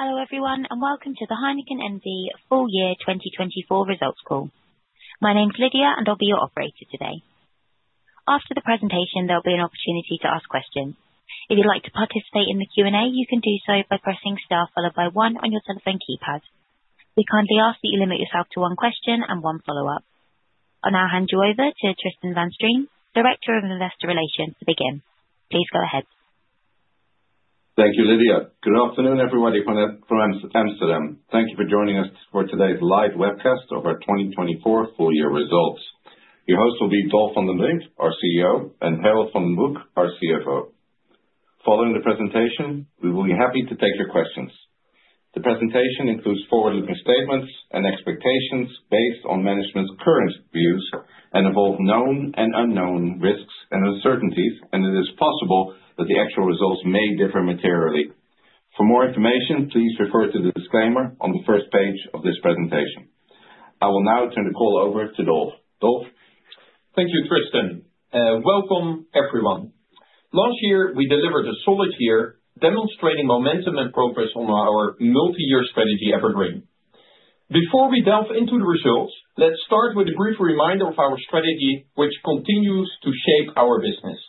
Hello everyone and welcome to the Heineken N.V. full year 2024 results call. My name's Lydia and I'll be your operator today. After the presentation, there'll be an opportunity to ask questions. If you'd like to participate in the Q&A, you can do so by pressing star followed by one on your telephone keypad. We kindly ask that you limit yourself to one question and one follow-up. I'll now hand you over to Tristan van Strien, Director of Investor Relations, to begin. Please go ahead. Thank you, Lydia. Good afternoon everybody from Amsterdam. Thank you for joining us for today's live webcast of our 2024 full year results. Your host will be Dolf van den Brink, our CEO, and Harold van den Broek, our CFO. Following the presentation, we will be happy to take your questions. The presentation includes forward-looking statements and expectations based on management's current views and involve known and unknown risks and uncertainties, and it is possible that the actual results may differ materially. For more information, please refer to the disclaimer on the first page of this presentation. I will now turn the call over to Dolf. Dolf. Thank you, Tristan. Welcome everyone. Last year, we delivered a solid year, demonstrating momentum and progress on our multi-year strategy Evergreen. Before we delve into the results, let's start with a brief reminder of our strategy, which continues to shape our business.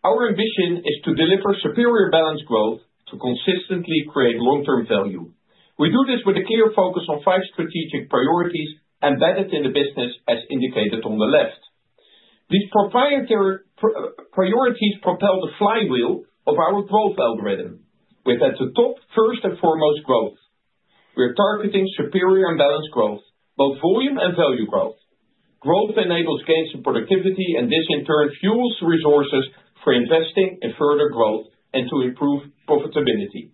Our ambition is to deliver superior balanced growth to consistently create long-term value. We do this with a clear focus on five strategic priorities embedded in the business, as indicated on the left. These proprietary priorities propel the flywheel of our growth algorithm. We're at the top, first and foremost, growth. We're targeting superior and balanced growth, both volume and value growth. Growth enables gains in productivity, and this in turn fuels resources for investing in further growth and to improve profitability,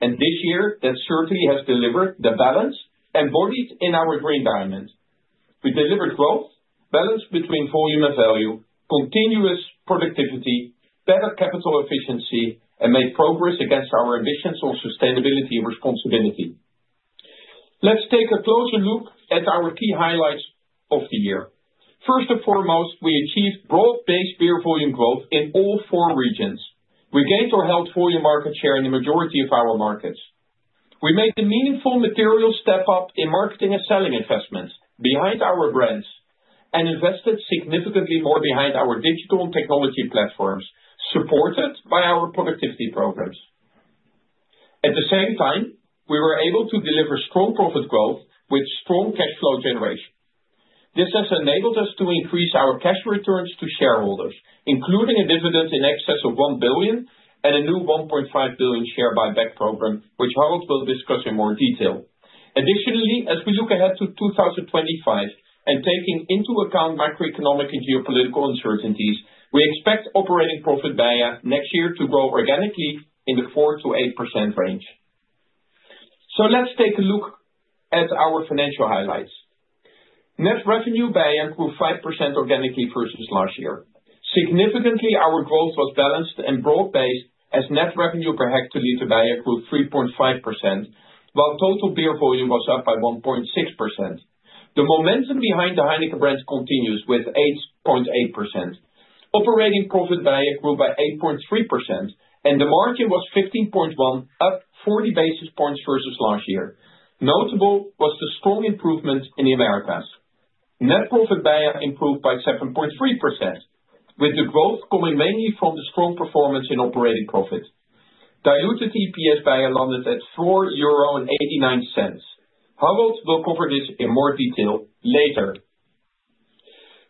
and this year, that certainly has delivered the balance embodied in our Green Diamond. We delivered growth, balance between volume and value, continuous productivity, better capital efficiency, and made progress against our ambitions on sustainability and responsibility. Let's take a closer look at our key highlights of the year. First and foremost, we achieved broad-based beer volume growth in all four regions. We gained or held volume market share in the majority of our markets. We made a meaningful material step up in marketing and selling investments behind our brands and invested significantly more behind our digital and technology platforms, supported by our productivity programs. At the same time, we were able to deliver strong profit growth with strong cash flow generation. This has enabled us to increase our cash returns to shareholders, including a dividend in excess of 1 billion and a new 1.5 billion share buyback program, which Harold will discuss in more detail. Additionally, as we look ahead to 2025 and taking into account macroeconomic and geopolitical uncertainties, we expect operating profit BEIA next year to grow organically in the 4%-8% range. So let's take a look at our financial highlights. Net revenue BEIA grew 5% organically versus last year. Significantly, our growth was balanced and broad-based, as net revenue per hectoliter BEIA grew 3.5%, while total beer volume was up by 1.6%. The momentum behind the Heineken brands continues with 8.8%. Operating profit BEIA grew by 8.3%, and the margin was 15.1%, up 40 basis points versus last year. Notable was the strong improvement in the Americas. Net profit BEIA improved by 7.3%, with the growth coming mainly from the strong performance in operating profit. Diluted EPS BEIA landed at 4.89. Harold will cover this in more detail later.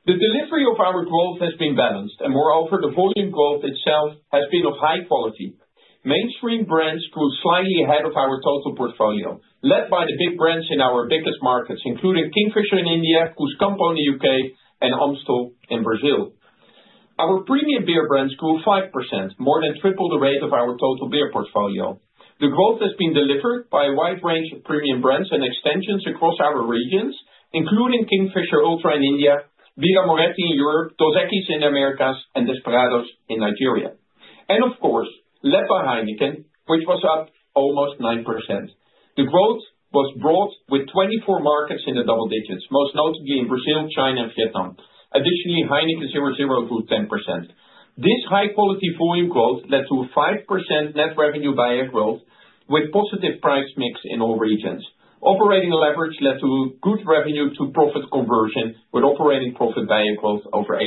The delivery of our growth has been balanced, and moreover, the volume growth itself has been of high quality. Mainstream brands grew slightly ahead of our total portfolio, led by the big brands in our biggest markets, including Kingfisher in India, Cruzcampo in the UK, and Amstel in Brazil. Our premium beer brands grew 5%, more than triple the rate of our total beer portfolio. The growth has been delivered by a wide range of premium brands and extensions across our regions, including Kingfisher Ultra in India, Birra Moretti in Europe, Dos Equis in the Americas, and Desperados in Nigeria, and of course led by Heineken, which was up almost 9%. The growth was broad with 24 markets in the double digits, most notably in Brazil, China, and Vietnam. Additionally, Heineken 0.0 grew 10%. This high-quality volume growth led to a 5% net revenue BEIA growth with positive price mix in all regions. Operating leverage led to good revenue to profit conversion, with operating profit BEIA growth over 8%.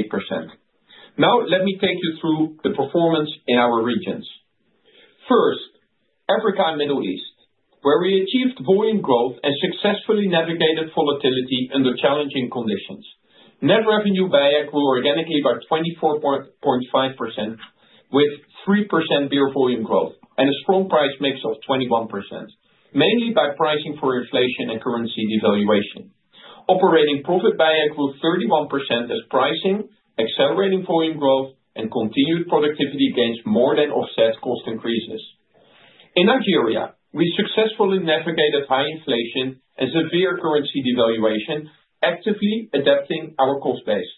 Now, let me take you through the performance in our regions. First, Africa and Middle East, where we achieved volume growth and successfully navigated volatility under challenging conditions. Net revenue BEIA grew organically by 24.5%, with 3% beer volume growth and a strong price mix of 21%, mainly by pricing for inflation and currency devaluation. Operating profit BEIA grew 31% as pricing, accelerating volume growth, and continued productivity gains more than offset cost increases. In Nigeria, we successfully navigated high inflation and severe currency devaluation, actively adapting our cost base.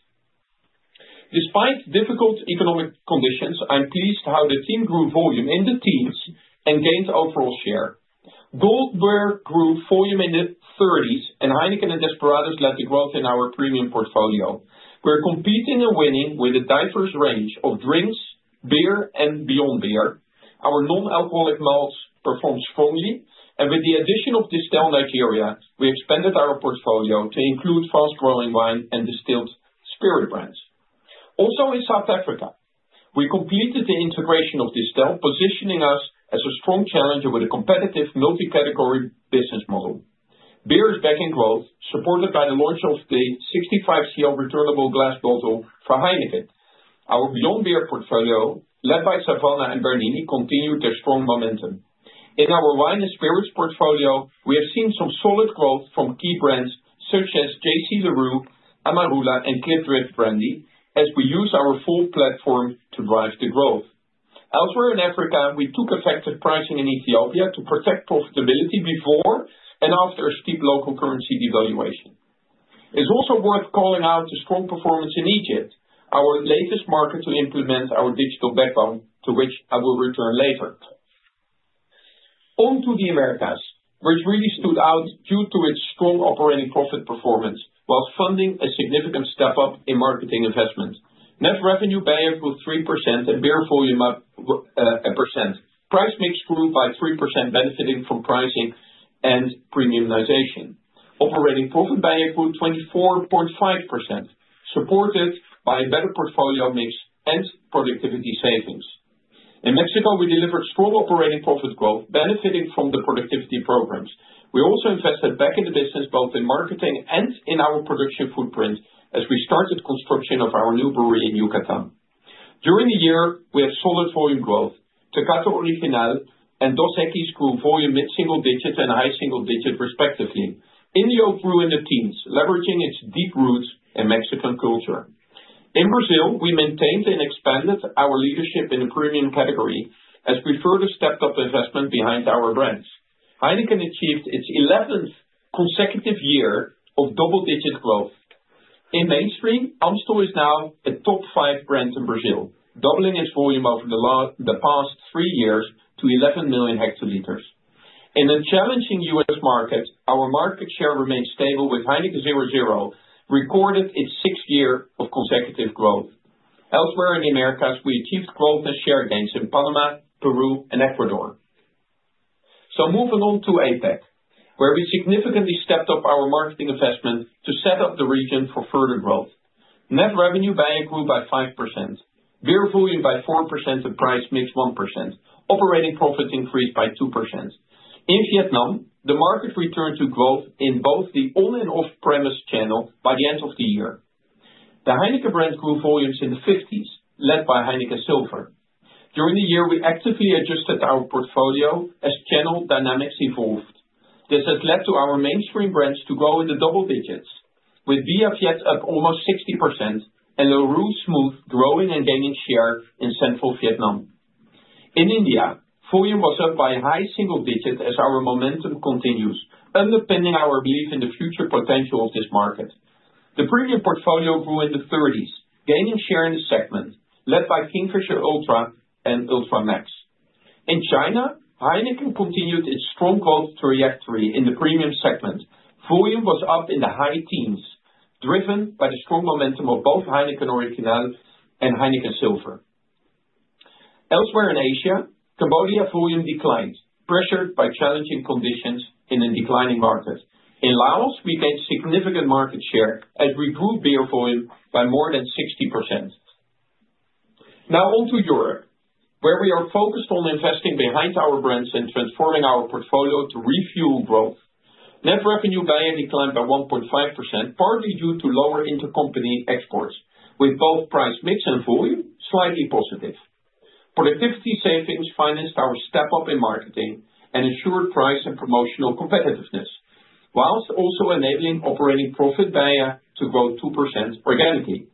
Despite difficult economic conditions, I'm pleased how the team grew volume in the teens and gained overall share. Goldberg grew volume in the 30s, and Heineken and Desperados led the growth in our premium portfolio. We're competing and winning with a diverse range of drinks, beer, and Beyond Beer. Our non-alcoholic malt performed strongly, and with the addition of Distell Nigeria, we expanded our portfolio to include fast-growing wine and distilled spirit brands. Also in South Africa, we completed the integration of Distell, positioning us as a strong challenger with a competitive multi-category business model. Beer is back in growth, supported by the launch of the 65 cl returnable glass bottle for Heineken. Our Beyond Beer portfolio, led by Savanna and Bernini, continued their strong momentum. In our wine and spirits portfolio, we have seen some solid growth from key brands such as J.C. Le Roux, Amarula, and Klipdrift Brandy, as we use our full platform to drive the growth. Elsewhere in Africa, we took effective pricing in Ethiopia to protect profitability before and after a steep local currency devaluation. It's also worth calling out the strong performance in Egypt, our latest market to implement our Digital Backbone, to which I will return later. On to the Americas, which really stood out due to its strong operating profit performance, while funding a significant step up in marketing investment. Net revenue BEIA grew 3% and beer volume up 1%. Price mix grew by 3%, benefiting from pricing and premiumization. Operating profit BEIA grew 24.5%, supported by a better portfolio mix and productivity savings. In Mexico, we delivered strong operating profit growth, benefiting from the productivity programs. We also invested back in the business, both in marketing and in our production footprint, as we started construction of our new brewery in Yucatan. During the year, we had solid volume growth. Tecate Original and Dos Equis grew volume mid-single digit and high single digit, respectively. Indio grew in the teens, leveraging its deep roots in Mexican culture. In Brazil, we maintained and expanded our leadership in the premium category, as we further stepped up investment behind our brands. Heineken achieved its 11th consecutive year of double-digit growth. In mainstream, Amstel is now a top five brand in Brazil, doubling its volume over the past three years to 11 million hectoliters. In a challenging U.S. market, our market share remained stable, with Heineken 0.0 recorded its sixth year of consecutive growth. Elsewhere in the Americas, we achieved growth and share gains in Panama, Peru, and Ecuador. So moving on to APAC, where we significantly stepped up our marketing investment to set up the region for further growth. Net revenue BEIA grew by 5%. Beer volume by 4% and price mix 1%. Operating profit increased by 2%. In Vietnam, the market returned to growth in both the on- and off-premise channel by the end of the year. The Heineken brand grew volumes in the 50s, led by Heineken Silver. During the year, we actively adjusted our portfolio as channel dynamics evolved. This has led to our mainstream brands to grow in the double digits, with Bia Viet up almost 60% and Larue Smooth growing and gaining share in central Vietnam. In India, volume was up by a high single digit as our momentum continues, underpinning our belief in the future potential of this market. The premium portfolio grew in the 30s, gaining share in the segment, led by Kingfisher Ultra and Ultra Max. In China, Heineken continued its strong growth trajectory in the premium segment. Volume was up in the high teens, driven by the strong momentum of both Heineken Original and Heineken Silver. Elsewhere in Asia, Cambodia volume declined, pressured by challenging conditions in a declining market. In Laos, we gained significant market share as we grew beer volume by more than 60%. Now on to Europe, where we are focused on investing behind our brands and transforming our portfolio to refuel growth. Net revenue BEIA declined by 1.5%, partly due to lower intercompany exports, with both price mix and volume slightly positive. Productivity savings financed our step up in marketing and ensured price and promotional competitiveness, while also enabling operating profit BEIA to grow 2% organically.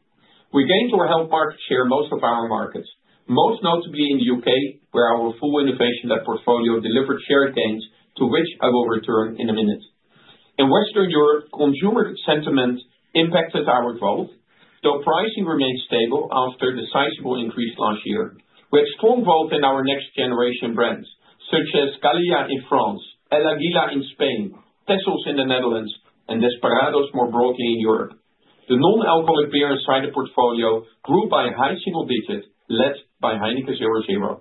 We gained or held market share in most of our markets, most notably in the UK, where our full innovation-led portfolio delivered share gains, to which I will return in a minute. In Western Europe, consumer sentiment impacted our growth, though pricing remained stable after a decisive increase last year. We had strong growth in our next generation brands, such as Gallia in France, El Águila in Spain, Texels in the Netherlands, and Desperados more broadly in Europe. The non-alcoholic beer inside the portfolio grew by a high single digit, led by Heineken 0.0.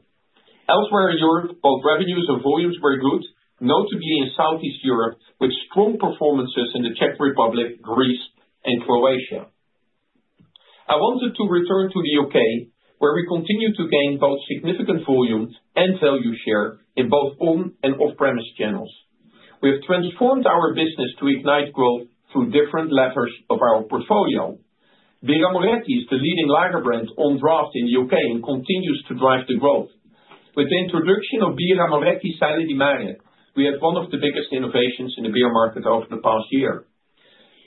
Elsewhere in Europe, both revenues and volumes were good, notably in Southeast Europe, with strong performances in the Czech Republic, Greece, and Croatia. I wanted to return to the UK, where we continue to gain both significant volume and value share in both on- and off-premise channels. We have transformed our business to ignite growth through different levers of our portfolio. Birra Moretti is the leading lager brand on draft in the UK and continues to drive the growth. With the introduction of Birra Moretti Sale di Mare, we had one of the biggest innovations in the beer market over the past year.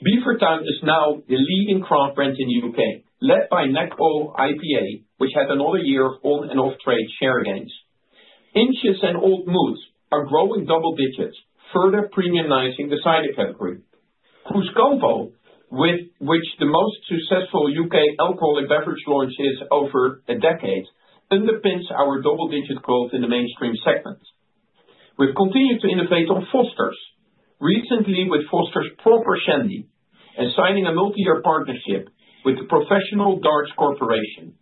Beavertown is now the leading craft brand in the UK, led by Neck Oil IPA, which had another year of on- and off-trade share gains. Inch's and Old Mout are growing double digits, further premiumizing the cider category. Cruzcampo, with which the most successful UK alcoholic beverage launch is over a decade, underpins our double-digit growth in the mainstream segment. We've continued to innovate on Foster's, recently with Foster's Proper Shandy, and signing a multi-year partnership with the Professional Darts Corporation.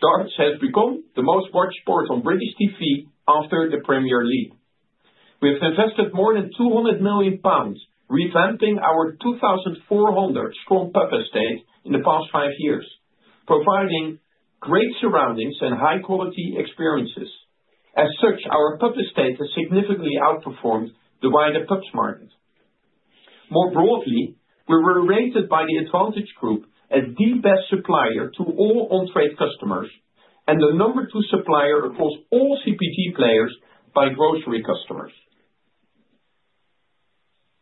Darts has become the most watched sport on British TV after the Premier League. We have invested more than 200 million pounds, revamping our 2,400 strong pub estate in the past five years, providing great surroundings and high-quality experiences. As such, our pub estate has significantly outperformed the wider pubs market. More broadly, we were rated by the Advantage Group as the best supplier to all on-trade customers and the number two supplier across all CPG players by grocery customers.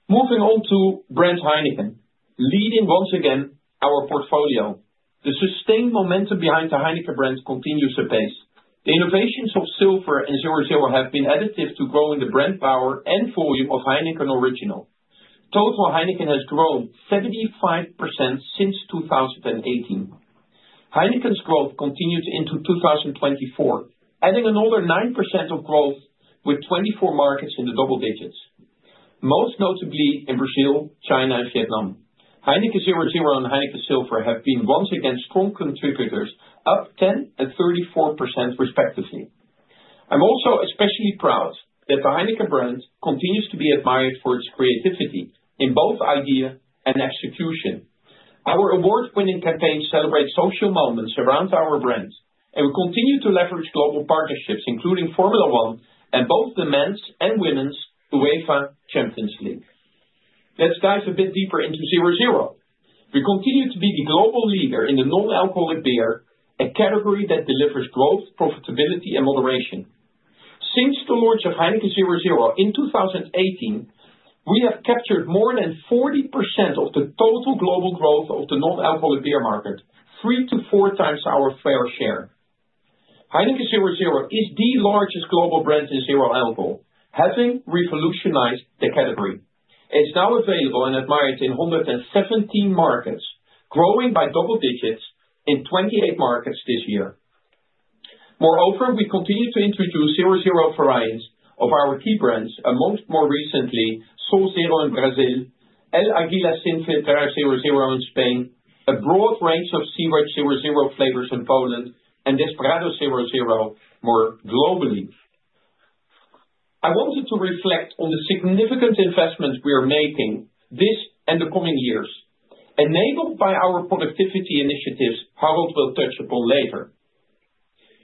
Moving on to the Heineken brand, leading once again our portfolio. The sustained momentum behind the Heineken brand continues apace. The innovations of Silver and 0.0 have been additive to growing the brand power and volume of Heineken Original. Total Heineken has grown 75% since 2018. Heineken's growth continues into 2024, adding another 9% of growth with 24 markets in the double digits, most notably in Brazil, China, and Vietnam. Heineken 0.0 and Heineken Silver have been once again strong contributors, up 10% and 34%, respectively. I'm also especially proud that the Heineken brand continues to be admired for its creativity in both idea and execution. Our award-winning campaign celebrates social moments around our brand, and we continue to leverage global partnerships, including Formula 1 and both the men's and women's UEFA Champions League. Let's dive a bit deeper into 0.0. We continue to be the global leader in the non-alcoholic beer, a category that delivers growth, profitability, and moderation. Since the launch of Heineken 0.0 in 2018, we have captured more than 40% of the total global growth of the non-alcoholic beer market, three to four times our fair share. Heineken 0.0 is the largest global brand in zero alcohol, having revolutionized the category. It's now available and admired in 117 markets, growing by double digits in 28 markets this year. Moreover, we continue to introduce 0.0 variants of our key brands, among others more recently Sol Zero in Brazil, El Águila Sin Filtrar 0.0 in Spain, a broad range of Żywiec 0.0 flavors in Poland, and Desperados 0.0 more globally. I wanted to reflect on the significant investment we are making in this and the coming years, enabled by our productivity initiatives, Harold will touch upon later.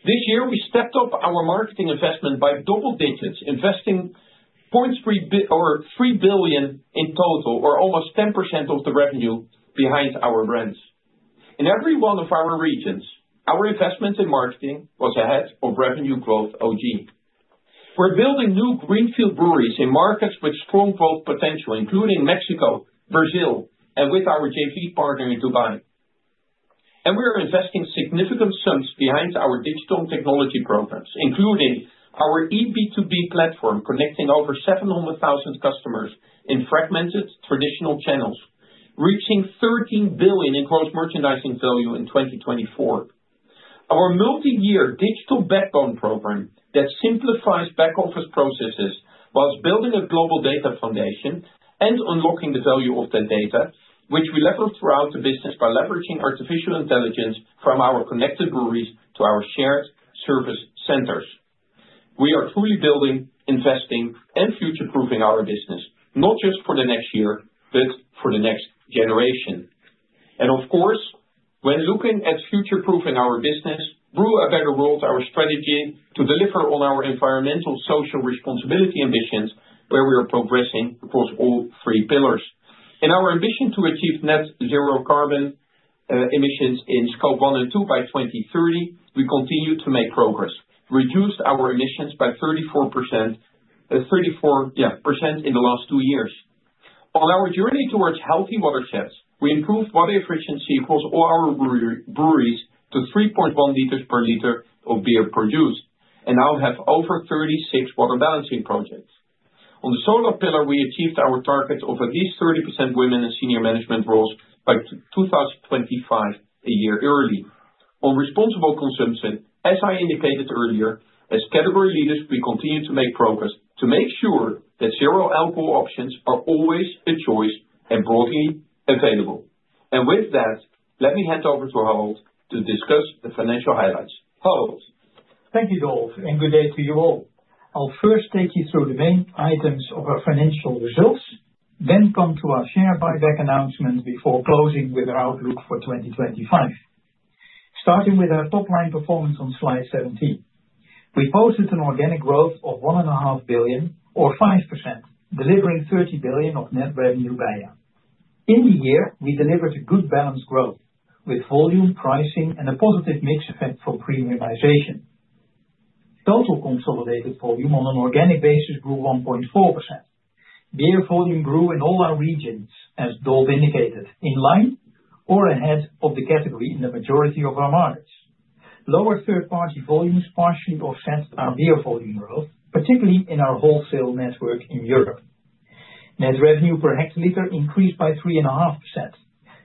This year, we stepped up our marketing investment by double digits, investing 0.3 billion in total, or almost 10% of the revenue behind our brands. In every one of our regions, our investment in marketing was ahead of revenue growth organic. We're building new greenfield breweries in markets with strong growth potential, including Mexico, Brazil, and with our JV partner in Dubai. And we are investing significant sums behind our digital technology programs, including our eB2B platform connecting over 700,000 customers in fragmented traditional channels, reaching 13 billion in gross merchandising value in 2024. Our multi-year digital backbone program that simplifies back-office processes while building a global data foundation and unlocking the value of that data, which we leverage throughout the business by leveraging artificial intelligence from our connected breweries to our shared service centers. We are truly building, investing, and future-proofing our business, not just for the next year, but for the next generation. And of course, when looking at future-proofing our business, we will better roll out our strategy to deliver on our environmental social responsibility ambitions, where we are progressing across all three pillars. In our ambition to achieve net zero carbon emissions in Scope 1 and 2 by 2030, we continue to make progress, reducing our emissions by 34% in the last two years. On our journey towards healthy watersheds, we improved water efficiency across all our breweries to 3.1 liters per liter of beer produced and now have over 36 water balancing projects. On the social pillar, we achieved our target of at least 30% women in senior management roles by 2025, a year early. On responsible consumption, as I indicated earlier, as category leaders, we continue to make progress to make sure that zero alcohol options are always a choice and broadly available. And with that, let me hand over to Harold to discuss the financial highlights. Harold. Thank you, Dolf, and good day to you all. I'll first take you through the main items of our financial results, then come to our share buyback announcement before closing with our outlook for 2025. Starting with our top-line performance on slide 17, we posted an organic growth of 1.5 billion, or 5%, delivering 30 billion of net revenue BEIA. In the year, we delivered a good balanced growth with volume, pricing, and a positive mix effect for premiumization. Total consolidated volume on an organic basis grew 1.4%. Beer volume grew in all our regions, as Dolf indicated, in line or ahead of the category in the majority of our markets. Lower third-party volumes partially offsets our beer volume growth, particularly in our wholesale network in Europe. Net revenue per hectoliter increased by 3.5%.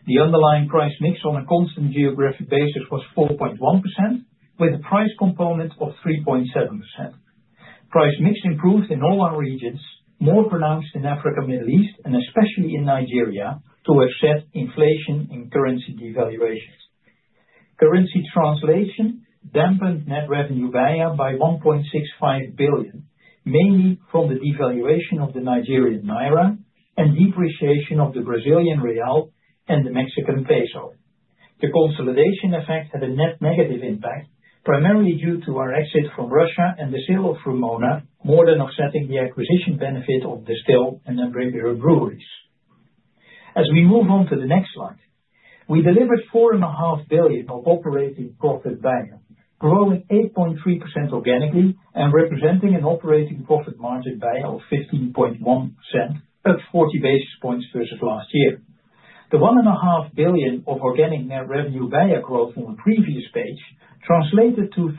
The underlying price mix on a constant geographic basis was 4.1%, with a price component of 3.7%. Price mix improved in all our regions, more pronounced in Africa, Middle East, and especially in Nigeria, to offset inflation and currency devaluations. Currency translation dampened net revenue by 1.65 billion, mainly from the devaluation of the Nigerian naira and depreciation of the Brazilian real and the Mexican peso. The consolidation effect had a net negative impact, primarily due to our exit from Russia and the sale of Vrumona, more than offsetting the acquisition benefit of Distell and Namibia Breweries. As we move on to the next slide, we delivered 4.5 billion of operating profit BEIA, growing 8.3% organically and representing an operating profit margin by 15.1% at 40 basis points versus last year. The 1.5 billion of organic net revenue BEIA growth on the previous page translated to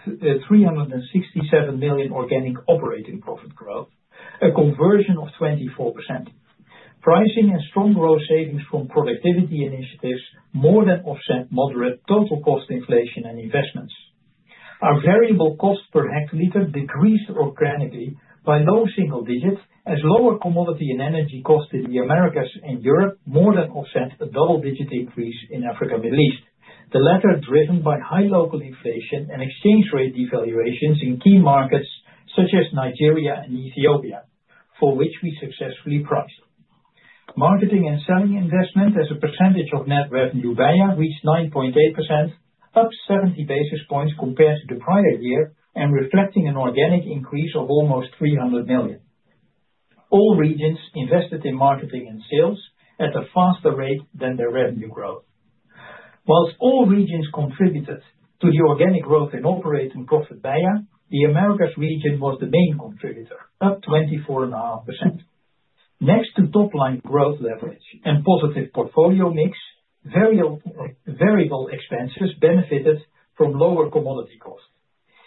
367 million organic operating profit growth, a conversion of 24%. Pricing and strong growth savings from productivity initiatives more than offset moderate total cost inflation and investments. Our variable cost per hectoliter decreased organically by low single digits, as lower commodity and energy costs in the Americas and Europe more than offset a double-digit increase in Africa Middle East, the latter driven by high local inflation and exchange rate devaluations in key markets such as Nigeria and Ethiopia, for which we successfully priced. Marketing and selling investment as a percentage of net revenue BEIA reached 9.8%, up 70 basis points compared to the prior year, and reflecting an organic increase of almost 300 million. All regions invested in marketing and sales at a faster rate than their revenue growth. Whilst all regions contributed to the organic growth in operating profit BEIA, the Americas region was the main contributor, up 24.5%. Next to top-line growth leverage and positive portfolio mix, variable expenses benefited from lower commodity costs.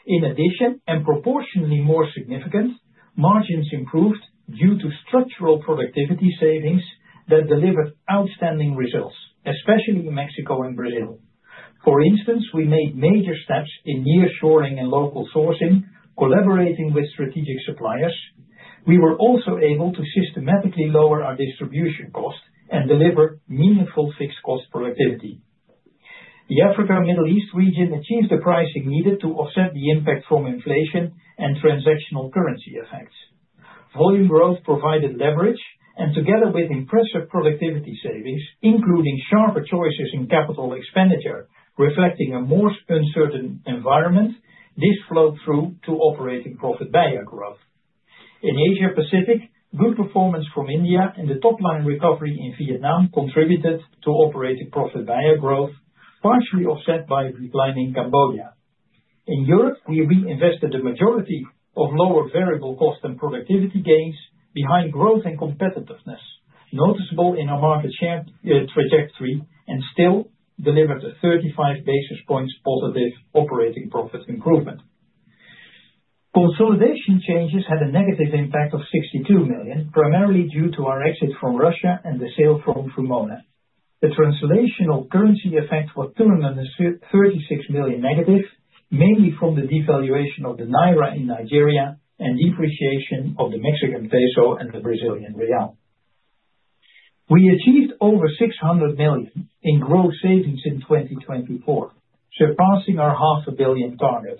In addition, and proportionally more significant, margins improved due to structural productivity savings that delivered outstanding results, especially in Mexico and Brazil. For instance, we made major steps in nearshoring and local sourcing, collaborating with strategic suppliers. We were also able to systematically lower our distribution costs and deliver meaningful fixed cost productivity. The Africa and Middle East region achieved the pricing needed to offset the impact from inflation and transactional currency effects. Volume growth provided leverage, and together with impressive productivity savings, including sharper choices in capital expenditure, reflecting a more uncertain environment, this flowed through to operating profit BEIA growth. In Asia Pacific, good performance from India and the top-line recovery in Vietnam contributed to operating profit BEIA growth, partially offset by declining Cambodia. In Europe, we reinvested the majority of lower variable cost and productivity gains behind growth and competitiveness, noticeable in our market share trajectory, and still delivered a 35 basis points positive operating profit improvement. Consolidation changes had a negative impact of 62 million, primarily due to our exit from Russia and the sale from Vrumona. The translational currency effect was 236 million negative, mainly from the devaluation of the naira in Nigeria and depreciation of the Mexican peso and the Brazilian real. We achieved over 600 million in gross savings in 2024, surpassing our 500 million target.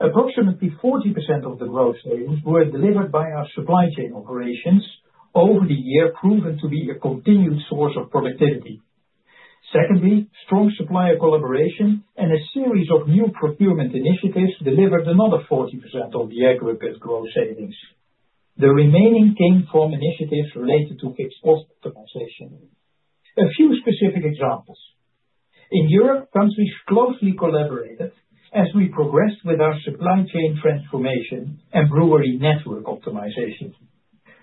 Approximately 40% of the gross savings were delivered by our supply chain operations over the year, proven to be a continued source of productivity. Secondly, strong supplier collaboration and a series of new procurement initiatives delivered another 40% of the aggregate gross savings. The remaining came from initiatives related to fixed cost optimization. A few specific examples. In Europe, countries closely collaborated as we progressed with our supply chain transformation and brewery network optimization.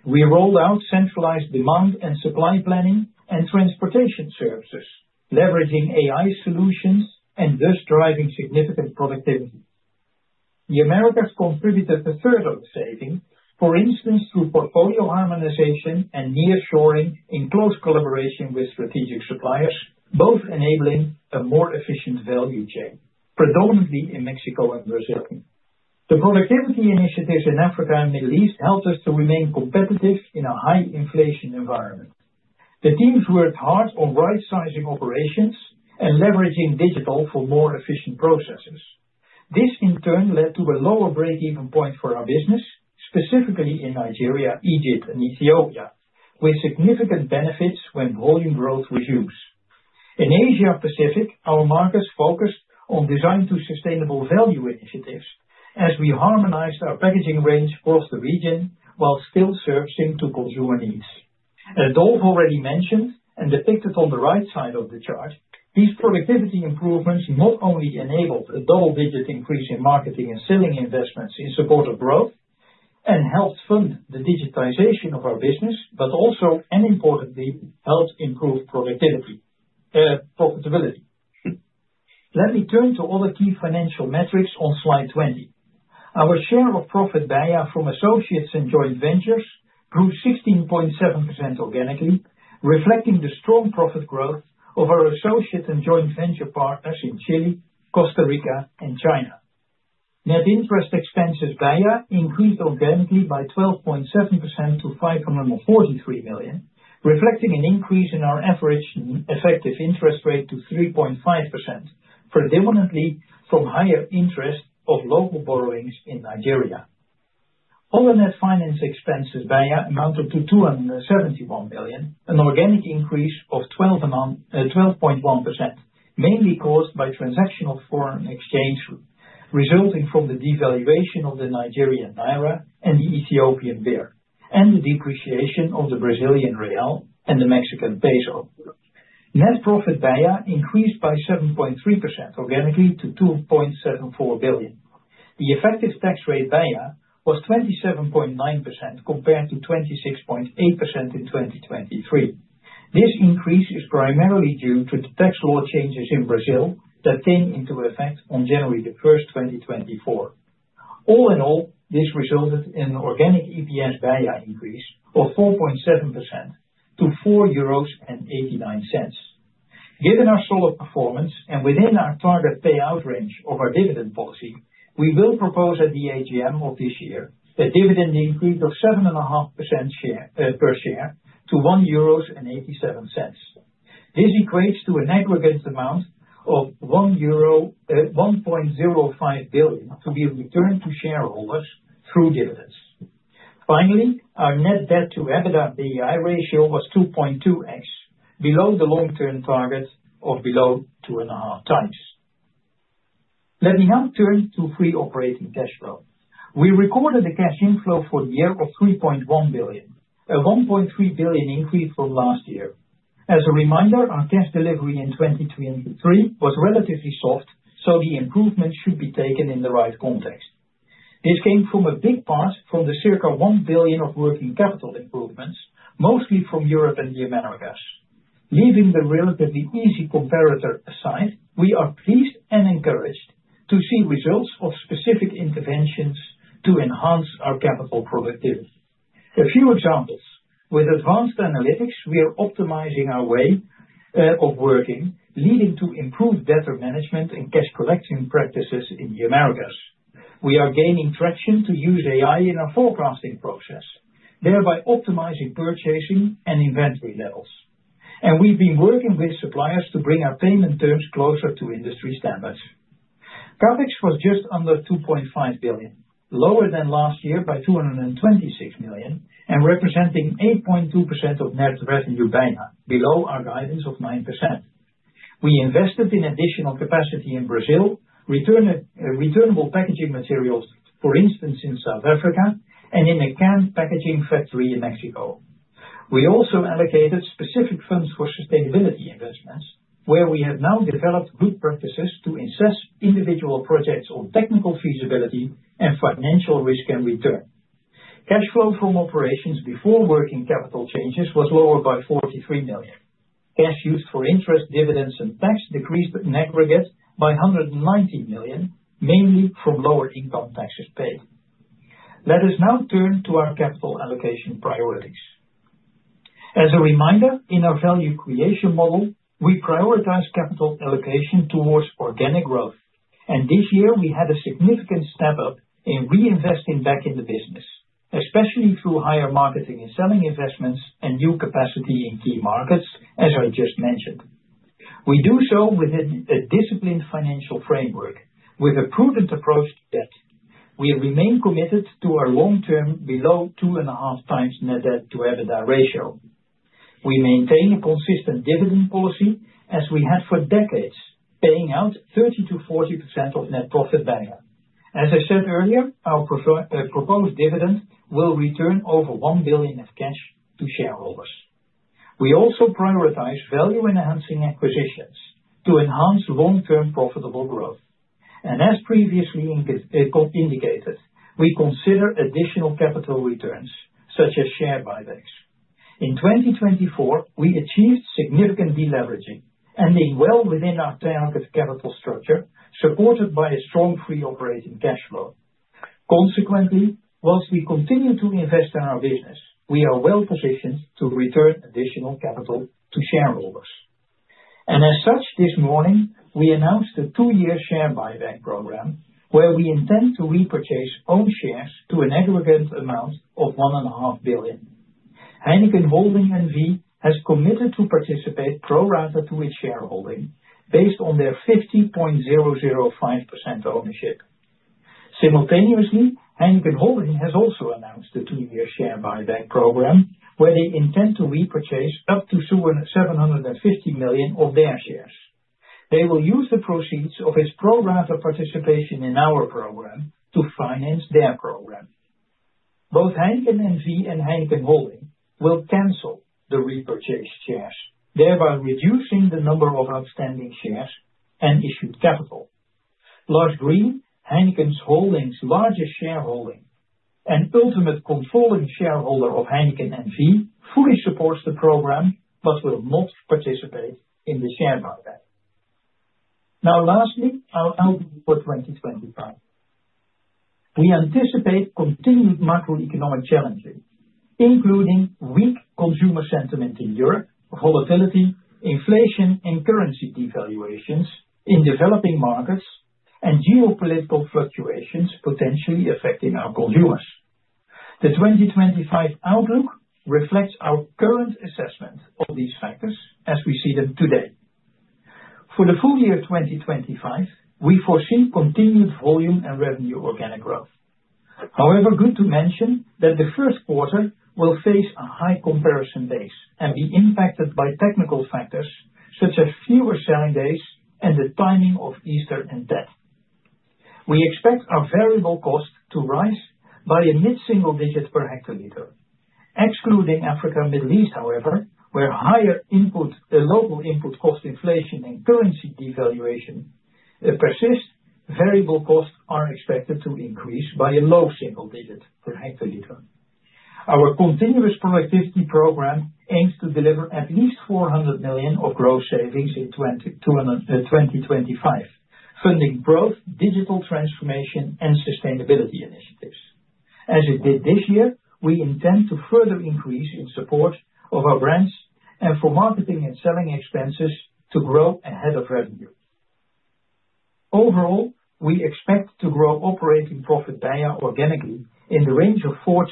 We rolled out centralized demand and supply planning and transportation services, leveraging AI solutions and thus driving significant productivity. The Americas contributed a third of the savings, for instance, through portfolio harmonization and nearshoring in close collaboration with strategic suppliers, both enabling a more efficient value chain, predominantly in Mexico and Brazil. The productivity initiatives in Africa and the Middle East helped us to remain competitive in a high inflation environment. The teams worked hard on right-sizing operations and leveraging digital for more efficient processes. This, in turn, led to a lower break-even point for our business, specifically in Nigeria, Egypt, and Ethiopia, with significant benefits when volume growth was used. In Asia Pacific, our markets focused on Design-to-Sustainable Value initiatives as we harmonized our packaging range across the region while still sourcing to consumer needs. As Dolf already mentioned and depicted on the right side of the chart, these productivity improvements not only enabled a double-digit increase in marketing and selling investments in support of growth and helped fund the digitization of our business, but also, and importantly, helped improve profitability. Let me turn to other key financial metrics on slide 20. Our share of profit BEIA from associates and joint ventures grew 16.7% organically, reflecting the strong profit growth of our associate and joint venture partners in Chile, Costa Rica, and China. Net interest expenses BEIA increased organically by 12.7% to 543 million, reflecting an increase in our average effective interest rate to 3.5%, predominantly from higher interest of local borrowings in Nigeria. Other net finance expenses BEIA amounted to 271 million, an organic increase of 12.1%, mainly caused by transactional foreign exchange resulting from the devaluation of the Nigerian naira and the Ethiopian birr, and the depreciation of the Brazilian real and the Mexican peso. Net profit BEIA increased by 7.3% organically to 2.74 billion. The effective tax rate BEIA was 27.9% compared to 26.8% in 2023. This increase is primarily due to the tax law changes in Brazil that came into effect on January 1, 2024. All in all, this resulted in an organic EPS BEIA increase of 4.7% to 4.89 euros. Given our solid performance and within our target payout range of our dividend policy, we will propose at the AGM of this year a dividend increase of 7.5% per share to 1.87 euros. This equates to an aggregate amount of 1.05 billion to be returned to shareholders through dividends. Finally, our net debt to EBITDA ratio was 2.2x, below the long-term target of below 2.5 times. Let me now turn to free operating cash flow. We recorded the cash inflow for the year of 3.1 billion, a 1.3 billion increase from last year. As a reminder, our cash delivery in 2023 was relatively soft, so the improvement should be taken in the right context. This came from a big part from the circa 1 billion of working capital improvements, mostly from Europe and the Americas. Leaving the relatively easy comparator aside, we are pleased and encouraged to see results of specific interventions to enhance our capital productivity. A few examples. With advanced analytics, we are optimizing our way of working, leading to improved debtor management and cash collection practices in the Americas. We are gaining traction to use AI in our forecasting process, thereby optimizing purchasing and inventory levels. We’ve been working with suppliers to bring our payment terms closer to industry standards. CapEx was just under 2.5 billion, lower than last year by 226 million, and representing 8.2% of net revenue BEIA, below our guidance of 9%. We invested in additional capacity in Brazil, returnable packaging materials, for instance, in South Africa, and in a canned packaging factory in Mexico. We also allocated specific funds for sustainability investments, where we have now developed good practices to assess individual projects on technical feasibility and financial risk and return. Cash flow from operations before working capital changes was lower by 43 million. Cash used for interest, dividends, and tax decreased in aggregate by 190 million, mainly from lower income taxes paid. Let us now turn to our capital allocation priorities. As a reminder, in our value creation model, we prioritize capital allocation towards organic growth. And this year, we had a significant step up in reinvesting back in the business, especially through higher marketing and selling investments and new capacity in key markets, as I just mentioned. We do so within a disciplined financial framework, with a prudent approach to debt. We remain committed to our long-term below 2.5 times net debt to EBITDA ratio. We maintain a consistent dividend policy, as we had for decades, paying out 30%-40% of net profit BEIA. As I said earlier, our proposed dividend will return over 1 billion of cash to shareholders. We also prioritize value-enhancing acquisitions to enhance long-term profitable growth. And as previously indicated, we consider additional capital returns, such as share buybacks. In 2024, we achieved significant deleveraging and did well within our target capital structure, supported by a strong free operating cash flow. Consequently, while we continue to invest in our business, we are well positioned to return additional capital to shareholders. As such, this morning, we announced a two-year share buyback program, where we intend to repurchase own shares to an aggregate amount of 1.5 billion. Heineken Holding N.V. has committed to participate pro rata to its shareholding, based on their 50.005% ownership. Simultaneously, Heineken Holding has also announced a two-year share buyback program, where they intend to repurchase up to 750 million of their shares. They will use the proceeds of its pro rata participation in our program to finance their program. Both Heineken N.V. and Heineken Holding will cancel the repurchased shares, thereby reducing the number of outstanding shares and issued capital. L'Arche Green N.V., Heineken Holding N.V.'s largest shareholding and ultimate controlling shareholder of Heineken N.V., fully supports the program but will not participate in the share buyback. Now, lastly, our outlook for 2025. We anticipate continued macroeconomic challenges, including weak consumer sentiment in Europe, volatility, inflation, and currency devaluations in developing markets, and geopolitical fluctuations potentially affecting our consumers. The 2025 outlook reflects our current assessment of these factors as we see them today. For the full year 2025, we foresee continued volume and revenue organic growth. However, good to mention that the first quarter will face a high comparison base and be impacted by technical factors such as fewer selling days and the timing of Easter and Tet. We expect our variable cost to rise by a mid-single digit per hectoliter. Excluding Africa and Middle East, however, where higher local input cost inflation and currency devaluation persist, variable costs are expected to increase by a low single digit per hectoliter. Our continuous productivity program aims to deliver at least 400 million of gross savings in 2025, funding growth, digital transformation, and sustainability initiatives. As it did this year, we intend to further increase in support of our brands and for marketing and selling expenses to grow ahead of revenue. Overall, we expect to grow operating profit BEIA organically in the range of 4%-8%,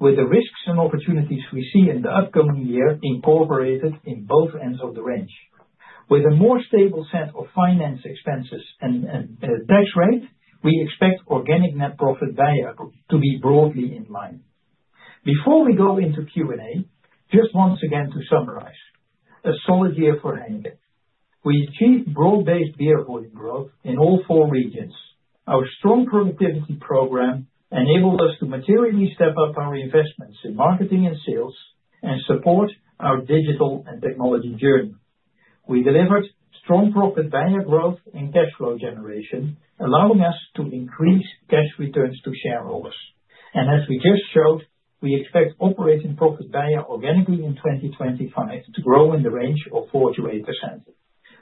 with the risks and opportunities we see in the upcoming year incorporated in both ends of the range. With a more stable set of finance expenses and tax rate, we expect organic net profit BEIA to be broadly in line. Before we go into Q&A, just once again to summarize: a solid year for Heineken. We achieved broad-based beer volume growth in all four regions. Our strong productivity program enabled us to materially step up our investments in marketing and sales and support our digital and technology journey. We delivered strong profit BEIA growth and cash flow generation, allowing us to increase cash returns to shareholders. As we just showed, we expect operating profit BEIA organically in 2025 to grow in the range of 4%-8%.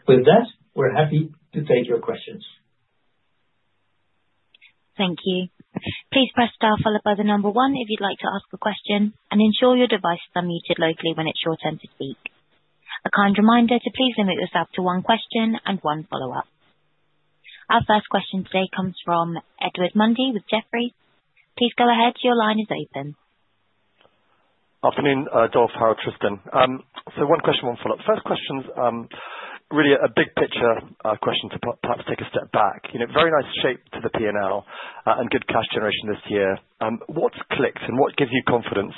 With that, we're happy to take your questions. Thank you. Please press star followed by the number one if you'd like to ask a question, and ensure your device is unmuted locally when it's your turn to speak. A kind reminder to please limit yourself to one question and one follow-up. Our first question today comes from Edward Mundy with Jefferies. Please go ahead. Your line is open. Afternoon, Dolf, Harold, Tristan. So one question, one follow-up. First question's really a big picture question to perhaps take a step back. Very nice shape to the P&L and good cash generation this year. What's clicked and what gives you confidence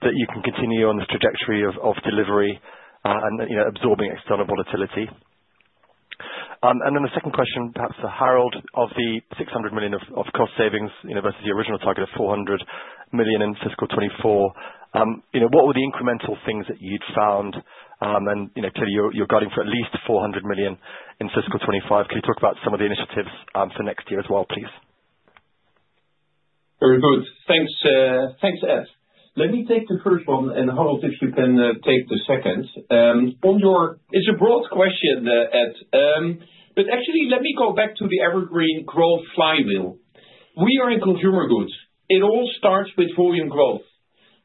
that you can continue on this trajectory of delivery and absorbing external volatility? And then the second question, perhaps for Harold, of the 600 million of cost savings versus the original target of 400 million in fiscal 2024, what were the incremental things that you'd found? And clearly, you're guiding for at least 400 million in fiscal 2025. Can you talk about some of the initiatives for next year as well, please? Very good. Thanks, Ed. Let me take the first one, and Harold, if you can take the second. It's a broad question, Ed. But actually, let me go back to the evergreen growth flywheel. We are in consumer goods. It all starts with volume growth.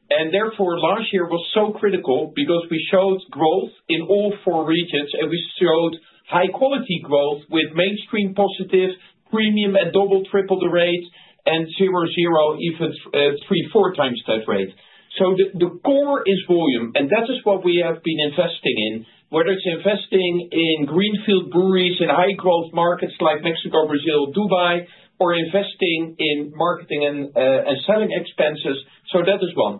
Therefore, last year was so critical because we showed growth in all four regions, and we showed high-quality growth with mainstream positive, premium at double, triple the rate, and zero, zero, even three, four times that rate. The core is volume, and that is what we have been investing in, whether it's investing in greenfield breweries in high-growth markets like Mexico, Brazil, Dubai, or investing in marketing and selling expenses. That is one.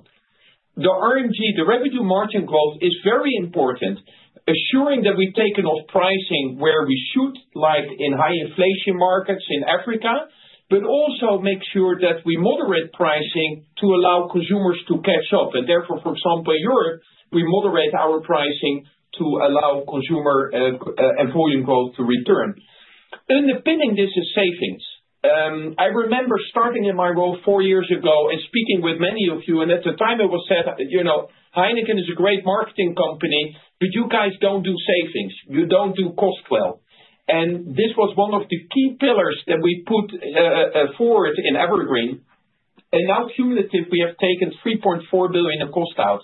The revenue margin growth is very important, assuring that we take enough pricing where we should, like in high-inflation markets in Africa, but also make sure that we moderate pricing to allow consumers to catch up. Therefore, for example, in Europe, we moderate our pricing to allow consumer and volume growth to return. In addition, this is savings. I remember starting in my role four years ago and speaking with many of you, and at the time, it was said, "Heineken is a great marketing company, but you guys don't do savings. You don't do cost well," and this was one of the key pillars that we put forward in Evergreen. And now, cumulative, we have taken 3.4 billion in cost out.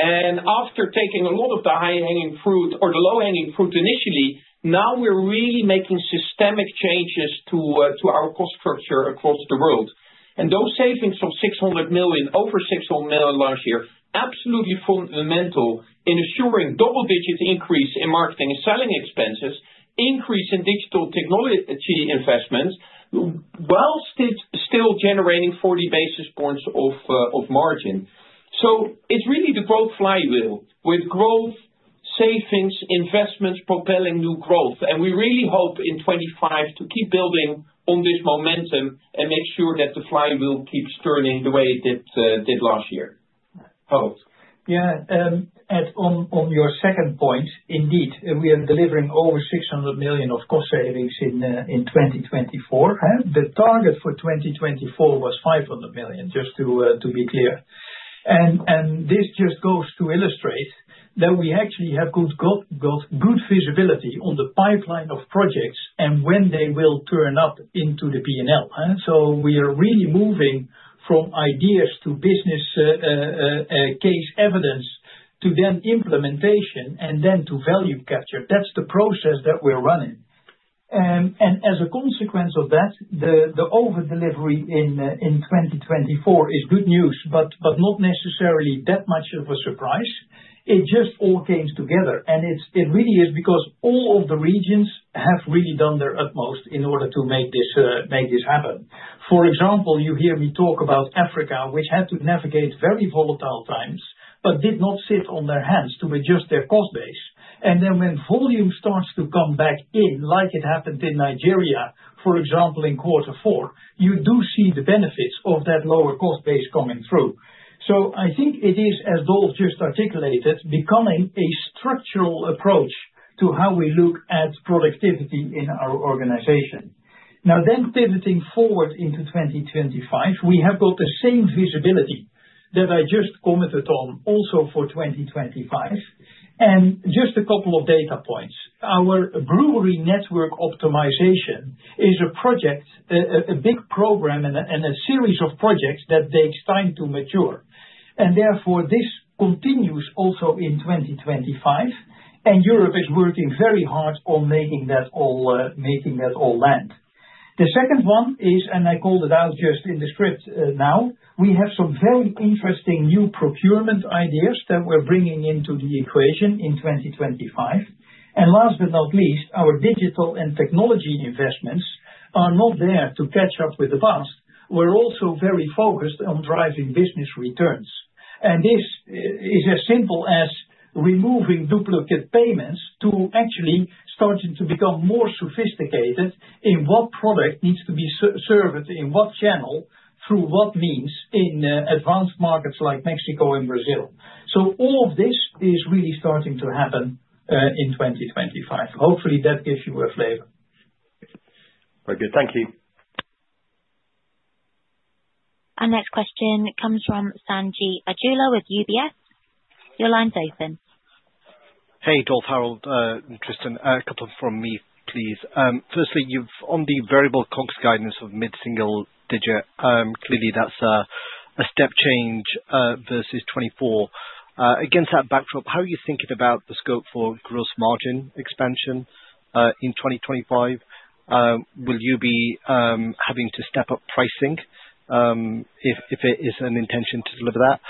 And after taking a lot of the high-hanging fruit or the low-hanging fruit initially, now we're really making systemic changes to our cost structure across the world. And those savings of 600 million, over 600 million last year, absolutely fundamental in assuring double-digit increase in marketing and selling expenses, increase in digital technology investments, whilst still generating 40 basis points of margin, so it's really the growth flywheel with growth, savings, investments propelling new growth. We really hope in 2025 to keep building on this momentum and make sure that the flywheel keeps turning the way it did last year. Yeah. And on your second point, indeed, we are delivering over 600 million of cost savings in 2024. The target for 2024 was 500 million, just to be clear. And this just goes to illustrate that we actually have got good visibility on the pipeline of projects and when they will turn up into the P&L. So we are really moving from ideas to business case evidence to then implementation and then to value capture. That's the process that we're running. And as a consequence of that, the overdelivery in 2024 is good news, but not necessarily that much of a surprise. It just all came together. It really is because all of the regions have really done their utmost in order to make this happen. For example, you hear me talk about Africa, which had to navigate very volatile times but did not sit on their hands to adjust their cost base. Then when volume starts to come back in, like it happened in Nigeria, for example, in quarter four, you do see the benefits of that lower cost base coming through. I think it is, as Dolf just articulated, becoming a structural approach to how we look at productivity in our organization. Now, pivoting forward into 2025, we have got the same visibility that I just commented on also for 2025. Just a couple of data points. Our brewery network optimization is a project, a big program, and a series of projects that takes time to mature. And therefore, this continues also in 2025. And Europe is working very hard on making that all land. The second one is, and I called it out just in the script now, we have some very interesting new procurement ideas that we're bringing into the equation in 2025. And last but not least, our digital and technology investments are not there to catch up with the past. We're also very focused on driving business returns. And this is as simple as removing duplicate payments to actually starting to become more sophisticated in what product needs to be served in what channel, through what means in advanced markets like Mexico and Brazil. So all of this is really starting to happen in 2025. Hopefully, that gives you a flavor. Very good. Thank you. Our next question comes from Sanjeet Aujla with UBS. Your line's open. Hey, Dolf, Harold, Tristan. A couple from me, please. Firstly, on the variable cost guidance of mid-single-digit, clearly, that's a step change versus 2024. Against that backdrop, how are you thinking about the scope for gross margin expansion in 2025? Will you be having to step up pricing if it is an intention to deliver that?